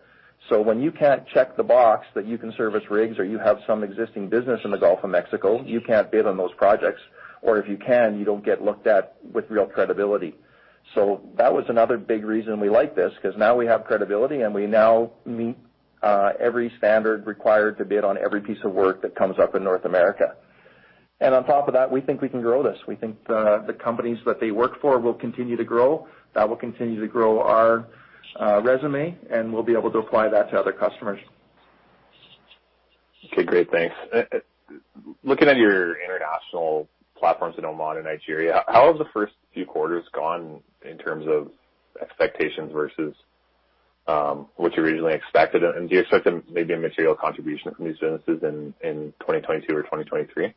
When you can't check the box that you can service rigs or you have some existing business in the Gulf of Mexico, you can't bid on those projects. If you can, you don't get looked at with real credibility. That was another big reason we like this, 'cause now we have credibility, and we now meet every standard required to bid on every piece of work that comes up in North America. On top of that, we think we can grow this. We think the companies that they work for will continue to grow. That will continue to grow our resume, and we'll be able to apply that to other customers. Okay, great. Thanks. Looking at your international platforms in Oman and Nigeria, how have the first few quarters gone in terms of expectations versus what you originally expected? Do you expect maybe a material contribution from these businesses in 2022 or 2023? Yeah,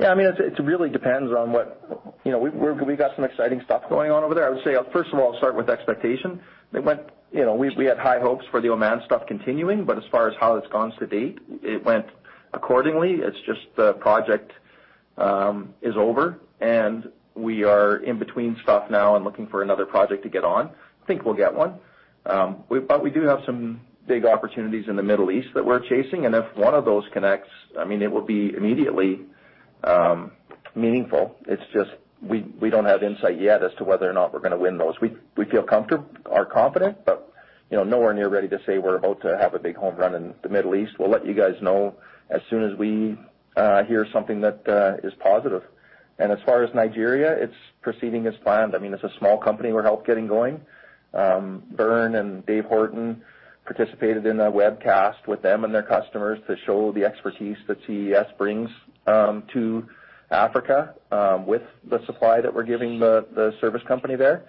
I mean, it really depends on what. You know, we got some exciting stuff going on over there. I would say, first of all, I'll start with expectation. It went, we had high hopes for the Oman stuff continuing, but as far as how it's gone to date, it went accordingly. It's just the project is over, and we are in between stuff now and looking for another project to get on. Think we'll get one. But we do have some big opportunities in the Middle East that we're chasing. If one of those connects, I mean, it will be immediately meaningful. It's just we don't have insight yet as to whether or not we're gonna win those. We are confident, but you know, nowhere near ready to say we're about to have a big home run in the Middle East. We'll let you guys know as soon as we hear something that is positive. As far as Nigeria, it's proceeding as planned. I mean, it's a small company we're helped getting going. Vern and Dave Horton participated in a webcast with them and their customers to show the expertise that CES brings to Africa with the supply that we're giving the service company there.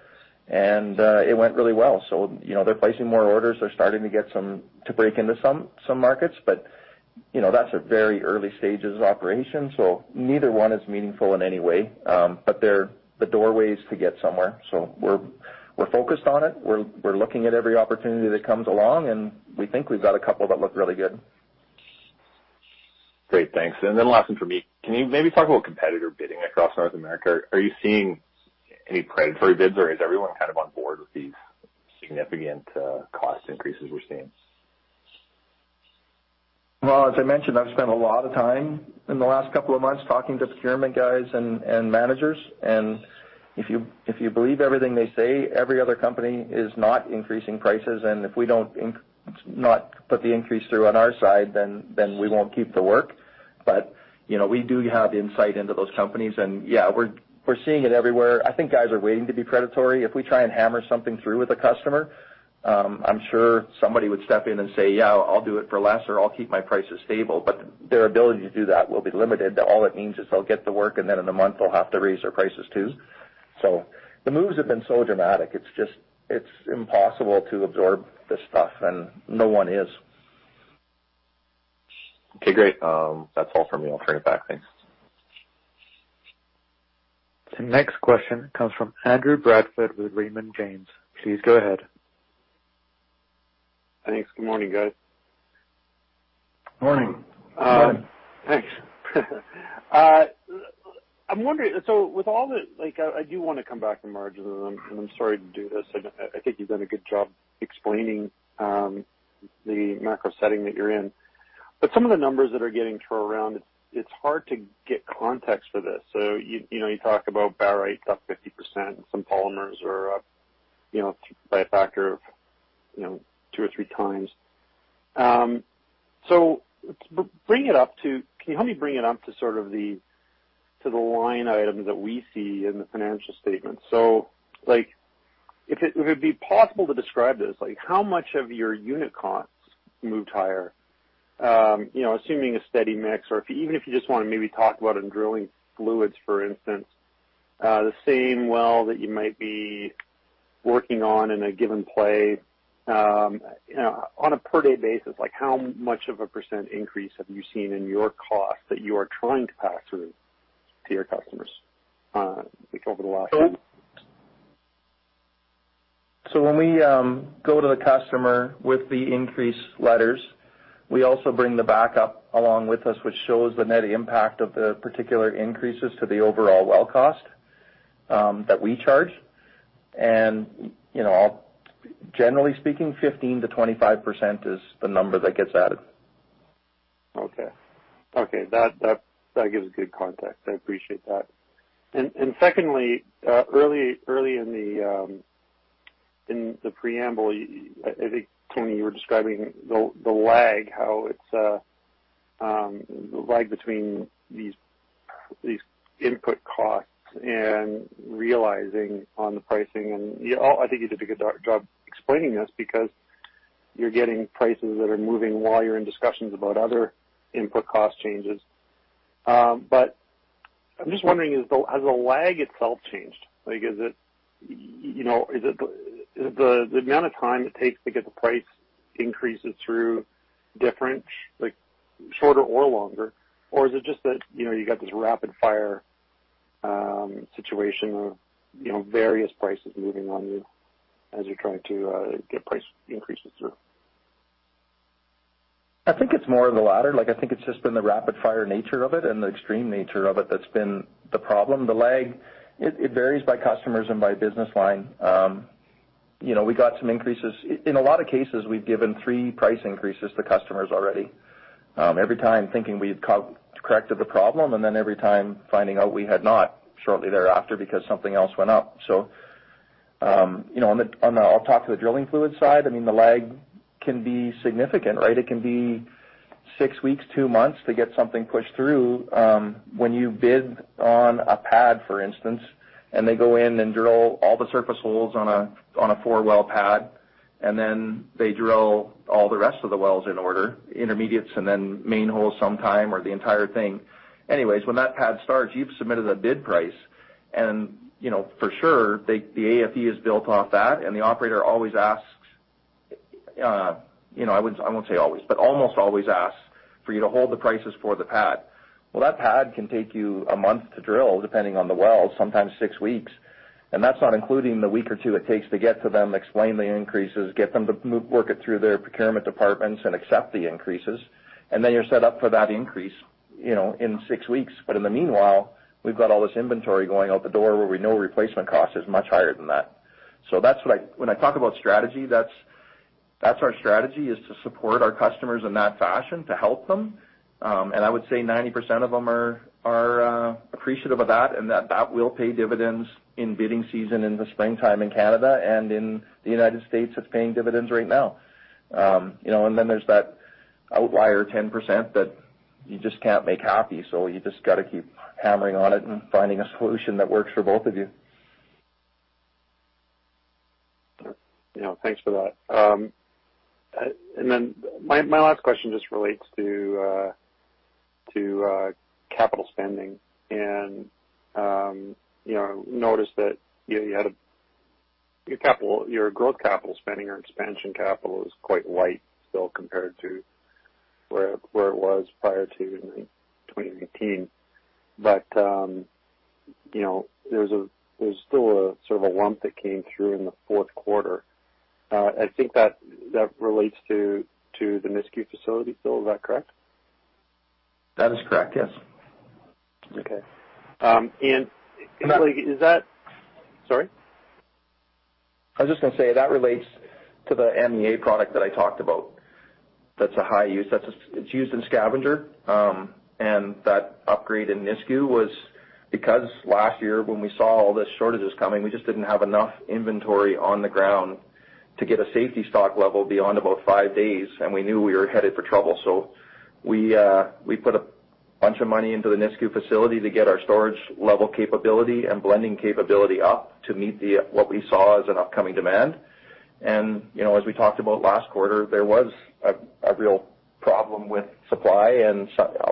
It went really well. You know, they're placing more orders. They're starting to get to break into some markets. You know, that's a very early stages operation, so neither one is meaningful in any way. They're the doorways to get somewhere. We're focused on it. We're looking at every opportunity that comes along, and we think we've got a couple that look really good. Great. Thanks. Last one for me. Can you maybe talk about competitor bidding across North America? Are you seeing any predatory bids or is everyone kind of on board with these significant cost increases we're seeing? Well, as I mentioned, I've spent a lot of time in the last couple of months talking to procurement guys and managers. If you believe everything they say, every other company is not increasing prices. If we don't put the increase through on our side, then we won't keep the work. You know, we do have insight into those companies and yeah, we're seeing it everywhere. I think guys are waiting to be predatory. If we try and hammer something through with a customer, I'm sure somebody would step in and say, "Yeah, I'll do it for less," or, "I'll keep my prices stable." Their ability to do that will be limited. All it means is they'll get the work and then in a month they'll have to raise their prices too. The moves have been so dramatic, it's just, it's impossible to absorb this stuff and no one is. Okay, great. That's all for me. I'll turn it back. Thanks. The next question comes from Andrew Bradford with Raymond James. Please go ahead. Thanks. Good morning, guys. Morning. Thanks. I'm wondering. Like, I do wanna come back to margins, and I'm sorry to do this. I think you've done a good job explaining the macro setting that you're in. But some of the numbers that are getting thrown around, it's hard to get context for this. You know, you talk about barite is up 50%, some polymers are up, you know, by a factor of two or three times. Can you help me bring it up to sort of the line item that we see in the financial statement? Like, if it'd be possible to describe this, like how much of your unit costs moved higher? You know, assuming a steady mix or if you just wanna maybe talk about in drilling fluids, for instance, the same well that you might be working on in a given play, you know, on a per day basis, like how much of a % increase have you seen in your cost that you are trying to pass through to your customers, over the last few weeks? When we go to the customer with the increase letters, we also bring the backup along with us, which shows the net impact of the particular increases to the overall well cost that we charge. You know, generally speaking, 15%-25% is the number that gets added. Okay. That gives good context. I appreciate that. Secondly, early in the preamble, I think, Tony, you were describing the lag, how it's the lag between these input costs and realizing on the pricing. I think you did a good job explaining this because you're getting prices that are moving while you're in discussions about other input cost changes. But I'm just wondering, has the lag itself changed? Like, is it, you know, is it the amount of time it takes to get the price increases through different, like, shorter or longer? Or is it just that, you know, you got this rapid fire situation of, you know, various prices moving on you as you're trying to get price increases through? I think it's more of the latter. Like, I think it's just been the rapid fire nature of it and the extreme nature of it that's been the problem. The lag, it varies by customers and by business line. You know, we got some increases. In a lot of cases, we've given three price increases to customers already, every time thinking we've corrected the problem and then every time finding out we had not shortly thereafter because something else went up. I'll talk to the drilling fluid side. I mean, the lag can be significant, right? It can be six weeks, two months to get something pushed through, when you bid on a pad, for instance, and they go in and drill all the surface holes on a four-well pad, and then they drill all the rest of the wells in order, intermediates and then main holes sometime or the entire thing. Anyways, when that pad starts, you've submitted a bid price and, you know, for sure the AFE is built off that, and the operator always asks, you know, I won't say always, but almost always asks for you to hold the prices for the pad. Well, that pad can take you a month to drill, depending on the well, sometimes six weeks. That's not including the week or two it takes to get to them, explain the increases, get them to work it through their procurement departments and accept the increases. You're set up for that increase. You know, in 6 weeks. In the meanwhile, we've got all this inventory going out the door where we know replacement cost is much higher than that. That's what I. When I talk about strategy, that's our strategy, is to support our customers in that fashion, to help them. I would say 90% of them are appreciative of that, and that will pay dividends in bidding season in the springtime in Canada, and in the United States, it's paying dividends right now. You know, there's that outlier 10% that you just can't make happy, so you just gotta keep hammering on it and finding a solution that works for both of you. You know. Thanks for that. Then my last question just relates to capital spending. You know, I noticed that you had your capital, your growth capital spending or expansion capital is quite light still compared to where it was prior to in 2019. You know, there's still sort of a lump that came through in the fourth quarter. I think that relates to the Nisku facility bill, is that correct? That is correct, yes. Okay. Is that And that- Sorry. I was just gonna say, that relates to the MEA product that I talked about. That's a high use. That's a scavenger. That upgrade in Nisku was because last year when we saw all the shortages coming, we just didn't have enough inventory on the ground to get a safety stock level beyond about five days, and we knew we were headed for trouble. We put a bunch of money into the Nisku facility to get our storage level capability and blending capability up to meet what we saw as an upcoming demand. You know, as we talked about last quarter, there was a real problem with supply.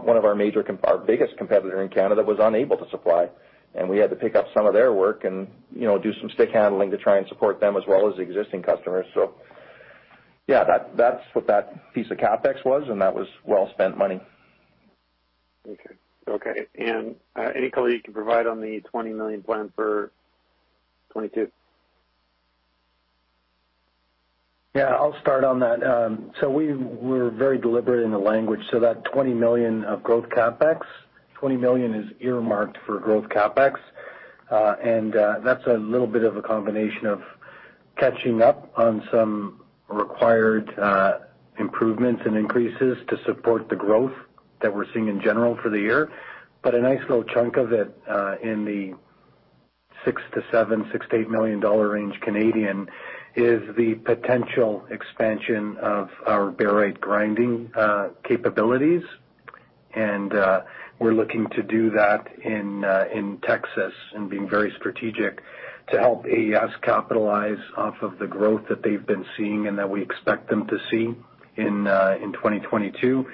One of our major com... Our biggest competitor in Canada was unable to supply, and we had to pick up some of their work and, you know, do some stick handling to try and support them as well as the existing customers. Yeah, that's what that piece of CapEx was, and that was well spent money. Okay. Any color you can provide on the 20 million plan for 2022? Yeah, I'll start on that. We were very deliberate in the language. That 20 million of growth CapEx is earmarked for growth CapEx. That's a little bit of a combination of catching up on some required improvements and increases to support the growth that we're seeing in general for the year. A nice little chunk of it, in the 6 million-8 million dollar range, is the potential expansion of our barite grinding capabilities. We're looking to do that in Texas and being very strategic to help AES capitalize off of the growth that they've been seeing and that we expect them to see in 2022.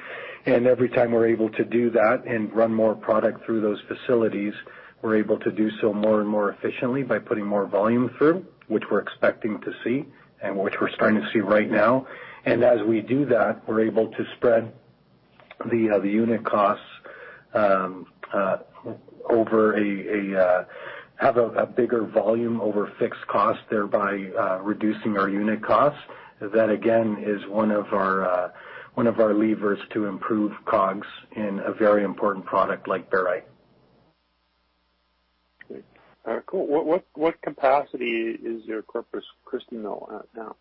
Every time we're able to do that and run more product through those facilities, we're able to do so more and more efficiently by putting more volume through, which we're expecting to see and which we're starting to see right now. As we do that, we're able to have a bigger volume over fixed costs, thereby reducing our unit costs. That again is one of our levers to improve COGS in a very important product like barite. Great. Cool. What capacity is your Corpus Christi mill at now?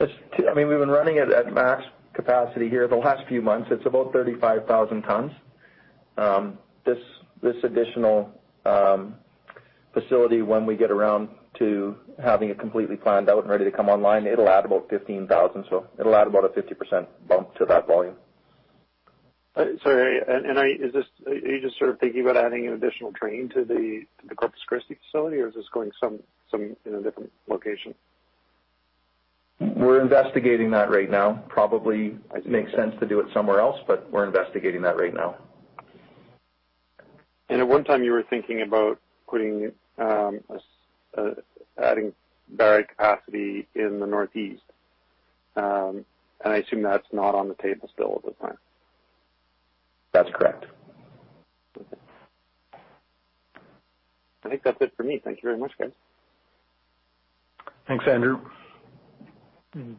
It's I mean, we've been running it at max capacity here the last few months. It's about 35,000 tons. This additional facility, when we get around to having it completely planned out and ready to come online, it'll add about 15,000. It'll add about a 50% bump to that volume. Sorry. Are you just sort of thinking about adding an additional train to the Corpus Christi facility, or is this going somewhere in a different location? We're investigating that right now. Probably makes sense to do it somewhere else, but we're investigating that right now. At one time, you were thinking about adding barite capacity in the Northeast. I assume that's not on the table still at this time. That's correct. Okay. I think that's it for me. Thank you very much, guys. Thanks, Andrew.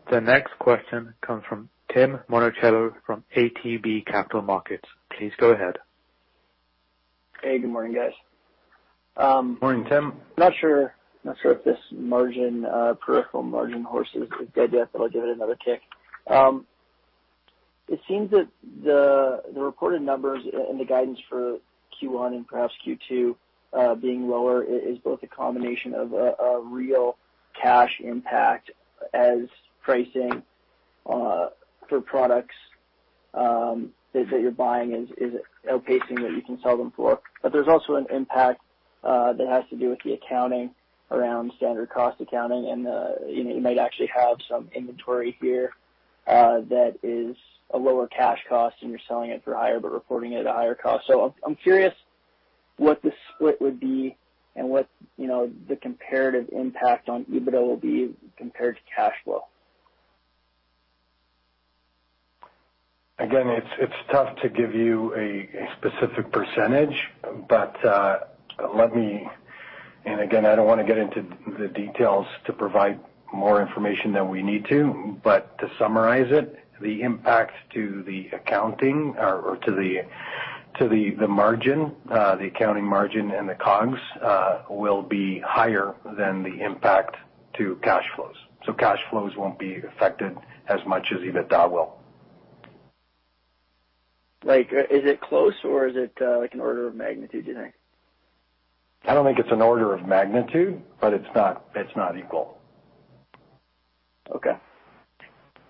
The next question comes from Tim Monachello from ATB Capital Markets. Please go ahead. Hey, good morning, guys. Morning, Tim. Not sure if this margin, peripheral margin horse is dead yet, but I'll give it another kick. It seems that the reported numbers and the guidance for Q1 and perhaps Q2 being lower is both a combination of a real cash impact as pricing for products that you're buying is outpacing what you can sell them for. But there's also an impact that has to do with the accounting around standard cost accounting and you know, you might actually have some inventory here that is a lower cash cost and you're selling it for higher but reporting it at a higher cost. So I'm curious what the split would be and what you know, the comparative impact on EBITDA will be compared to cash flow. Again, it's tough to give you a specific percentage, but let me- I don't wanna get into the details to provide more information than we need to, but to summarize it, the impact to the accounting margin and the COGS will be higher than the impact to cash flows. Cash flows won't be affected as much as EBITDA will. Like, is it close or is it, like an order of magnitude, do you think? I don't think it's an order of magnitude, but it's not equal. Okay.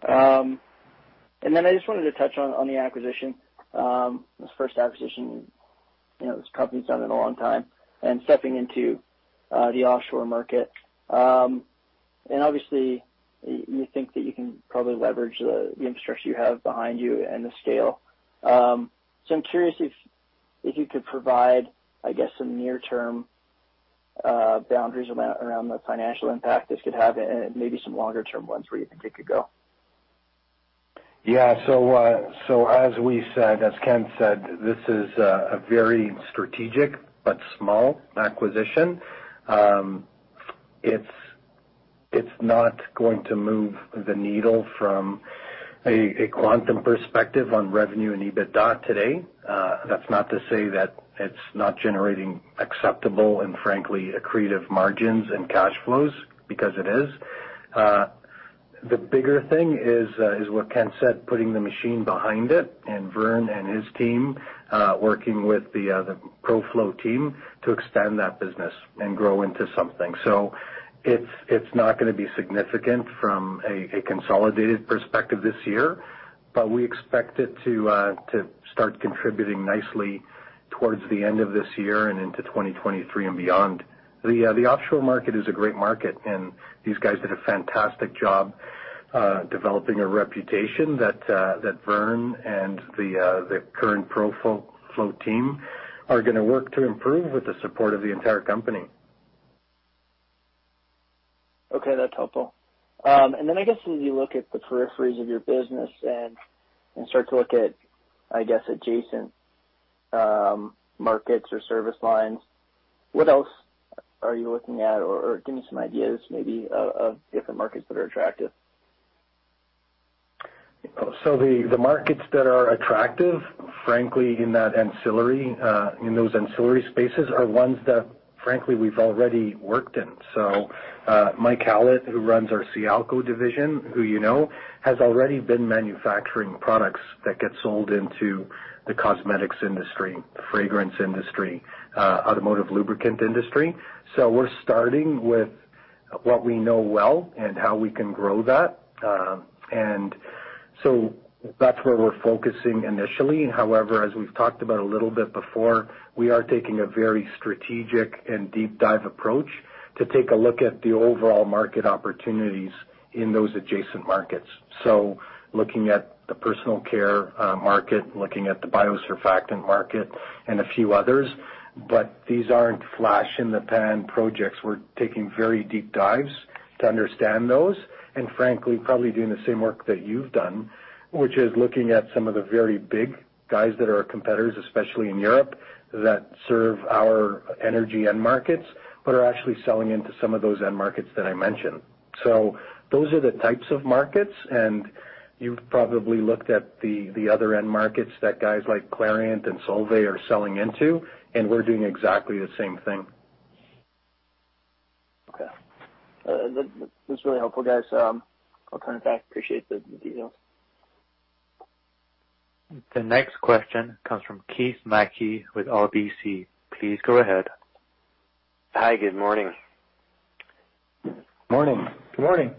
I just wanted to touch on the acquisition, this first acquisition, you know, this company's done in a long time, and stepping into the offshore market. Obviously you think that you can probably leverage the infrastructure you have behind you and the scale. I'm curious if you could provide, I guess, some near-term boundaries around the financial impact this could have and maybe some longer term ones where you think it could go. Yeah. As we said, as Ken said, this is a very strategic but small acquisition. It's not going to move the needle from a quantum perspective on revenue and EBITDA today. That's not to say that it's not generating acceptable and frankly accretive margins and cash flows because it is. The bigger thing is what Ken said, putting the machine behind it and Vern and his team working with the Proflow team to extend that business and grow into something. It's not gonna be significant from a consolidated perspective this year, but we expect it to start contributing nicely towards the end of this year and into 2023 and beyond. The offshore market is a great market, and these guys did a fantastic job developing a reputation that Vern and the current Proflow team are gonna work to improve with the support of the entire company. Okay, that's helpful. And then I guess as you look at the peripheries of your business and start to look at, I guess, adjacent markets or service lines, what else are you looking at? Or give me some ideas maybe of different markets that are attractive. The markets that are attractive, frankly, in that ancillary, in those ancillary spaces are ones that frankly we've already worked in. Mike Hallat, who runs our Sialco division, who you know, has already been manufacturing products that get sold into the cosmetics industry, the fragrance industry, automotive lubricant industry. We're starting with what we know well and how we can grow that. That's where we're focusing initially. However, as we've talked about a little bit before, we are taking a very strategic and deep dive approach to take a look at the overall market opportunities in those adjacent markets. Looking at the personal care, market, looking at the biosurfactant market and a few others, but these aren't flash in the pan projects. We're taking very deep dives to understand those, and frankly, probably doing the same work that you've done, which is looking at some of the very big guys that are competitors, especially in Europe, that serve our energy end markets, but are actually selling into some of those end markets that I mentioned. Those are the types of markets, and you've probably looked at the other end markets that guys like Clariant and Solvay are selling into, and we're doing exactly the same thing. Okay. That's really helpful, guys. I'll turn it back. Appreciate the details. The next question comes from Keith Mackey with RBC. Please go ahead. Hi. Good morning. Morning. Good morning.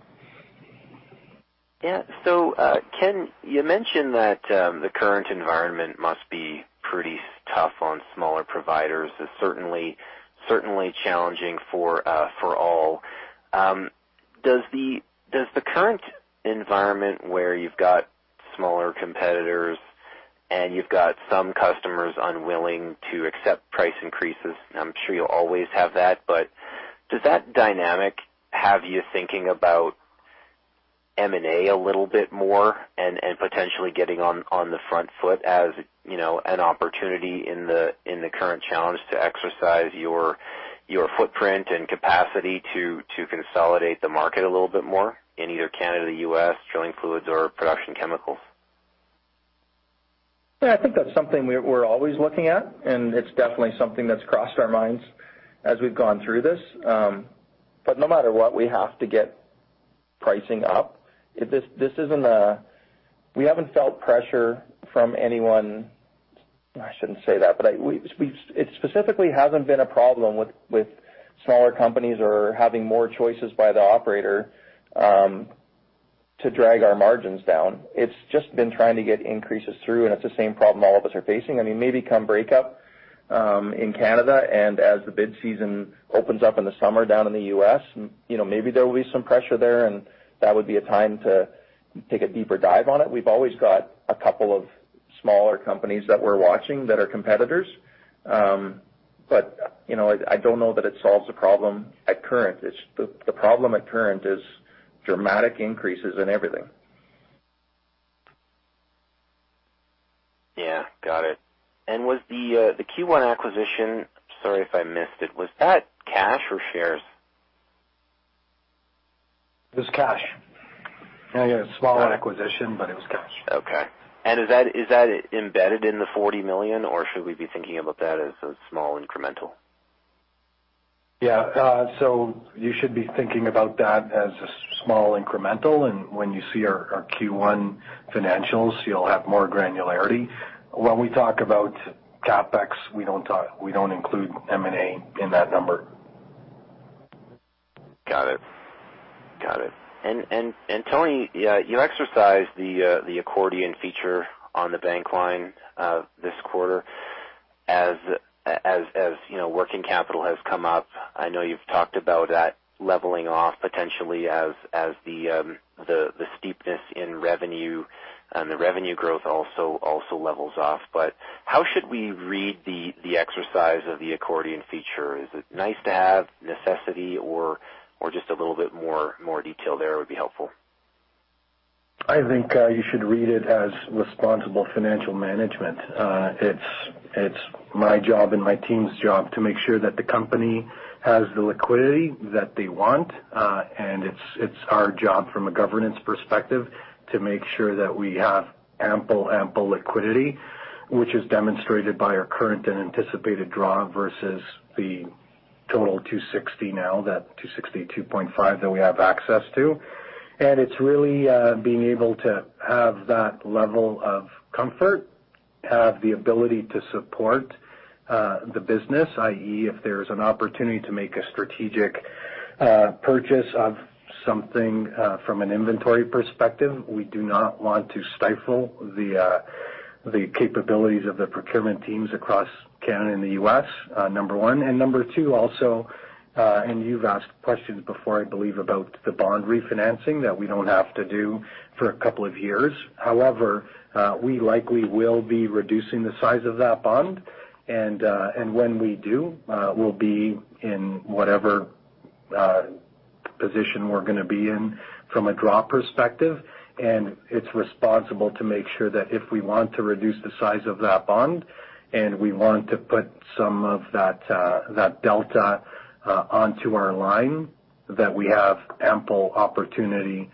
Ken, you mentioned that the current environment must be pretty tough on smaller providers. It's certainly challenging for all. Does the current environment where you've got smaller competitors and you've got some customers unwilling to accept price increases, I'm sure you'll always have that, but does that dynamic have you thinking about M&A a little bit more and potentially getting on the front foot as, you know, an opportunity in the current challenge to exercise your footprint and capacity to consolidate the market a little bit more in either Canada, U.S., drilling fluids or production chemicals? Yeah, I think that's something we're always looking at, and it's definitely something that's crossed our minds as we've gone through this. No matter what, we have to get pricing up. We haven't felt pressure from anyone. I shouldn't say that, but it specifically hasn't been a problem with smaller companies or having more choices by the operator to drag our margins down. It's just been trying to get increases through, and it's the same problem all of us are facing. I mean, maybe come break up in Canada and as the bid season opens up in the summer down in the U.S., you know, maybe there will be some pressure there, and that would be a time to take a deeper dive on it. We've always got a couple of smaller companies that we're watching that are competitors. You know, I don't know that it solves the problem at present. The problem at present is dramatic increases in everything. Yeah. Got it. Was the Q1 acquisition? Sorry if I missed it. Was that cash or shares? It was cash. Yeah, a small acquisition, but it was cash. Okay. Is that embedded in the 40 million or should we be thinking about that as a small incremental? Yeah, you should be thinking about that as a small incremental. When you see our Q1 financials, you'll have more granularity. When we talk about CapEx, we don't include M&A in that number. Got it. Tony, you exercised the accordion feature on the bank line this quarter. As you know, working capital has come up. I know you've talked about that leveling off potentially as the steepness in revenue and the revenue growth also levels off. How should we read the exercise of the accordion feature? Is it nice to have, necessity or just a little bit more detail there would be helpful. I think you should read it as responsible financial management. It's my job and my team's job to make sure that the company has the liquidity that they want, and it's our job from a governance perspective to make sure that we have ample liquidity, which is demonstrated by our current and anticipated draw versus the total 260 now, that 262.5 that we have access to. It's really being able to have that level of comfort, have the ability to support the business, i.e., if there's an opportunity to make a strategic purchase of something from an inventory perspective, we do not want to stifle the capabilities of the procurement teams across Canada and the U.S., number one. Number two, also, and you've asked questions before, I believe, about the bond refinancing that we don't have to do for a couple of years. However, we likely will be reducing the size of that bond, and when we do, we'll be in whatever position we're gonna be in from a draw perspective. It's responsible to make sure that if we want to reduce the size of that bond and we want to put some of that that delta onto our line, that we have ample opportunity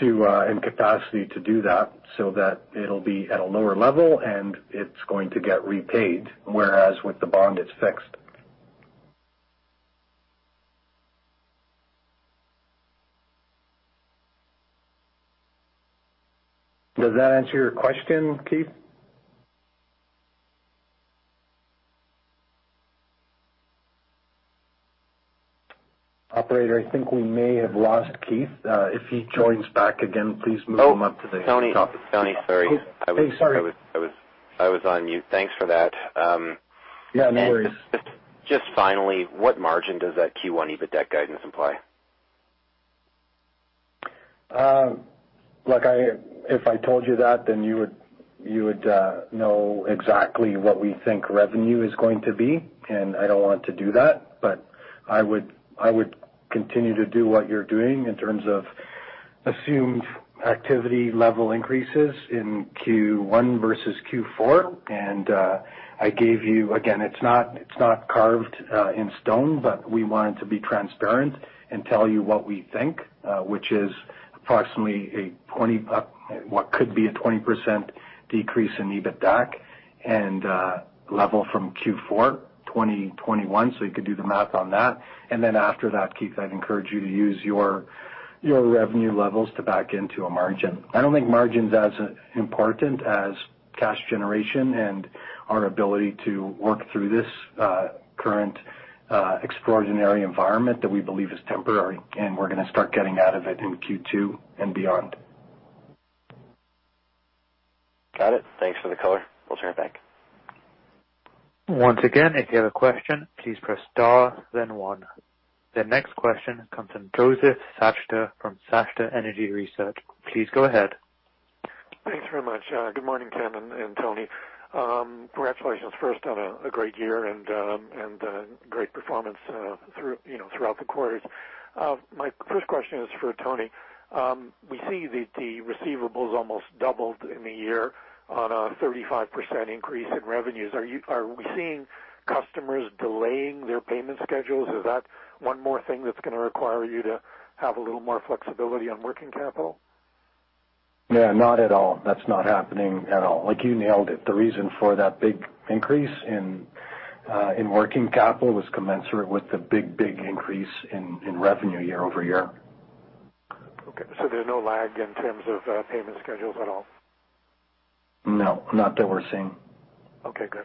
to and capacity to do that so that it'll be at a lower level and it's going to get repaid, whereas with the bond it's fixed. Does that answer your question, Keith? Operator, I think we may have lost Keith. If he joins back again, please move him up to the top. Oh, Tony. Tony, sorry. Hey, sorry. I was on mute. Thanks for that. Yeah, no worries. Just finally, what margin does that Q1 EBITDA guidance imply? Look, if I told you that, then you would know exactly what we think revenue is going to be, and I don't want to do that, but I would continue to do what you're doing in terms of assumed activity level increases in Q1 versus Q4. I gave you again. It's not carved in stone, but we wanted to be transparent and tell you what we think, which is approximately what could be a 20% decrease in EBITDA level from Q4 2021, so you could do the math on that. Then after that, Keith, I'd encourage you to use your revenue levels to back into a margin. I don't think margin's as important as cash generation and our ability to work through this current extraordinary environment that we believe is temporary, and we're gonna start getting out of it in Q2 and beyond. Got it. Thanks for the color. We'll turn it back. Once again, if you have a question, please press star then one. The next question comes from Josef Schachter from Schachter Energy Research. Please go ahead. Thanks very much. Good morning, Ken and Tony. Congratulations first on a great year and a great performance through, you know, throughout the quarters. My first question is for Tony. We see that the receivables almost doubled in the year on a 35% increase in revenues. Are we seeing customers delaying their payment schedules? Is that one more thing that's gonna require you to have a little more flexibility on working capital? Yeah, not at all. That's not happening at all. Like you nailed it. The reason for that big increase in working capital was commensurate with the big increase in revenue year-over-year. Okay, there's no lag in terms of payment schedules at all? No, not that we're seeing. Okay, good.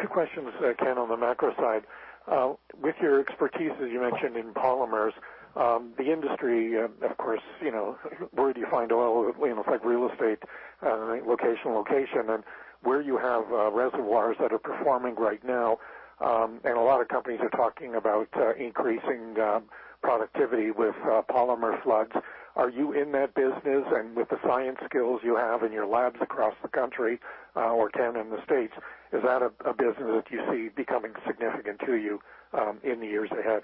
Two questions, Ken, on the macro side. With your expertise, as you mentioned in polymers, the industry, of course, you know, where do you find oil? You know, it's like real estate, location, and where you have reservoirs that are performing right now, and a lot of companies are talking about increasing productivity with polymer floods. Are you in that business? With the science skills you have in your labs across the country, or, Ken, in the States, is that a business that you see becoming significant to you in the years ahead?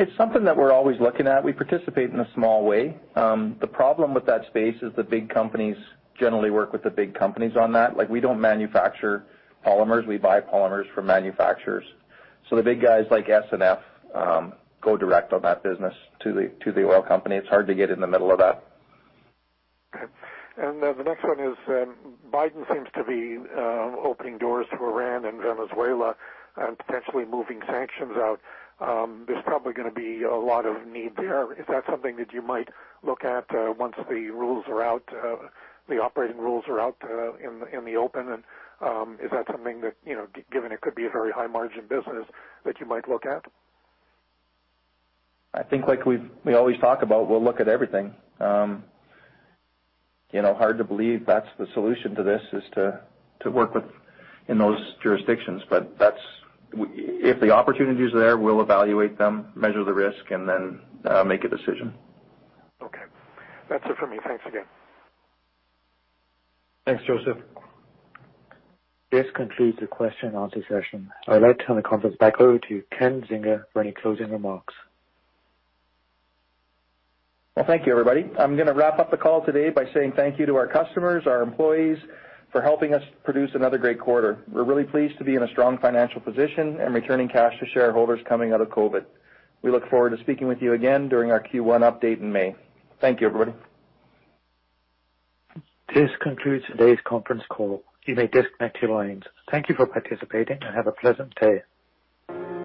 It's something that we're always looking at. We participate in a small way. The problem with that space is the big companies generally work with the big companies on that. Like, we don't manufacture polymers. We buy polymers from manufacturers. The big guys like SNF go direct on that business to the oil company. It's hard to get in the middle of that. Okay. The next one is, Biden seems to be opening doors to Iran and Venezuela and potentially moving sanctions out. There's probably gonna be a lot of need there. Is that something that you might look at, once the operating rules are out in the open? Is that something that, you know, given it could be a very high margin business that you might look at? I think like we always talk about, we'll look at everything. You know, hard to believe that's the solution to this is to work with in those jurisdictions. That's if the opportunity is there, we'll evaluate them, measure the risk, and then make a decision. Okay. That's it for me. Thanks again. Thanks, Josef. This concludes the question and answer session. I'd like to turn the conference back over to Ken Zinger for any closing remarks. Well, thank you everybody. I'm gonna wrap up the call today by saying thank you to our customers, our employees for helping us produce another great quarter. We're really pleased to be in a strong financial position and returning cash to shareholders coming out of COVID. We look forward to speaking with you again during our Q1 update in May. Thank you, everybody. This concludes today's conference call. You may disconnect your lines. Thank you for participating and have a pleasant day.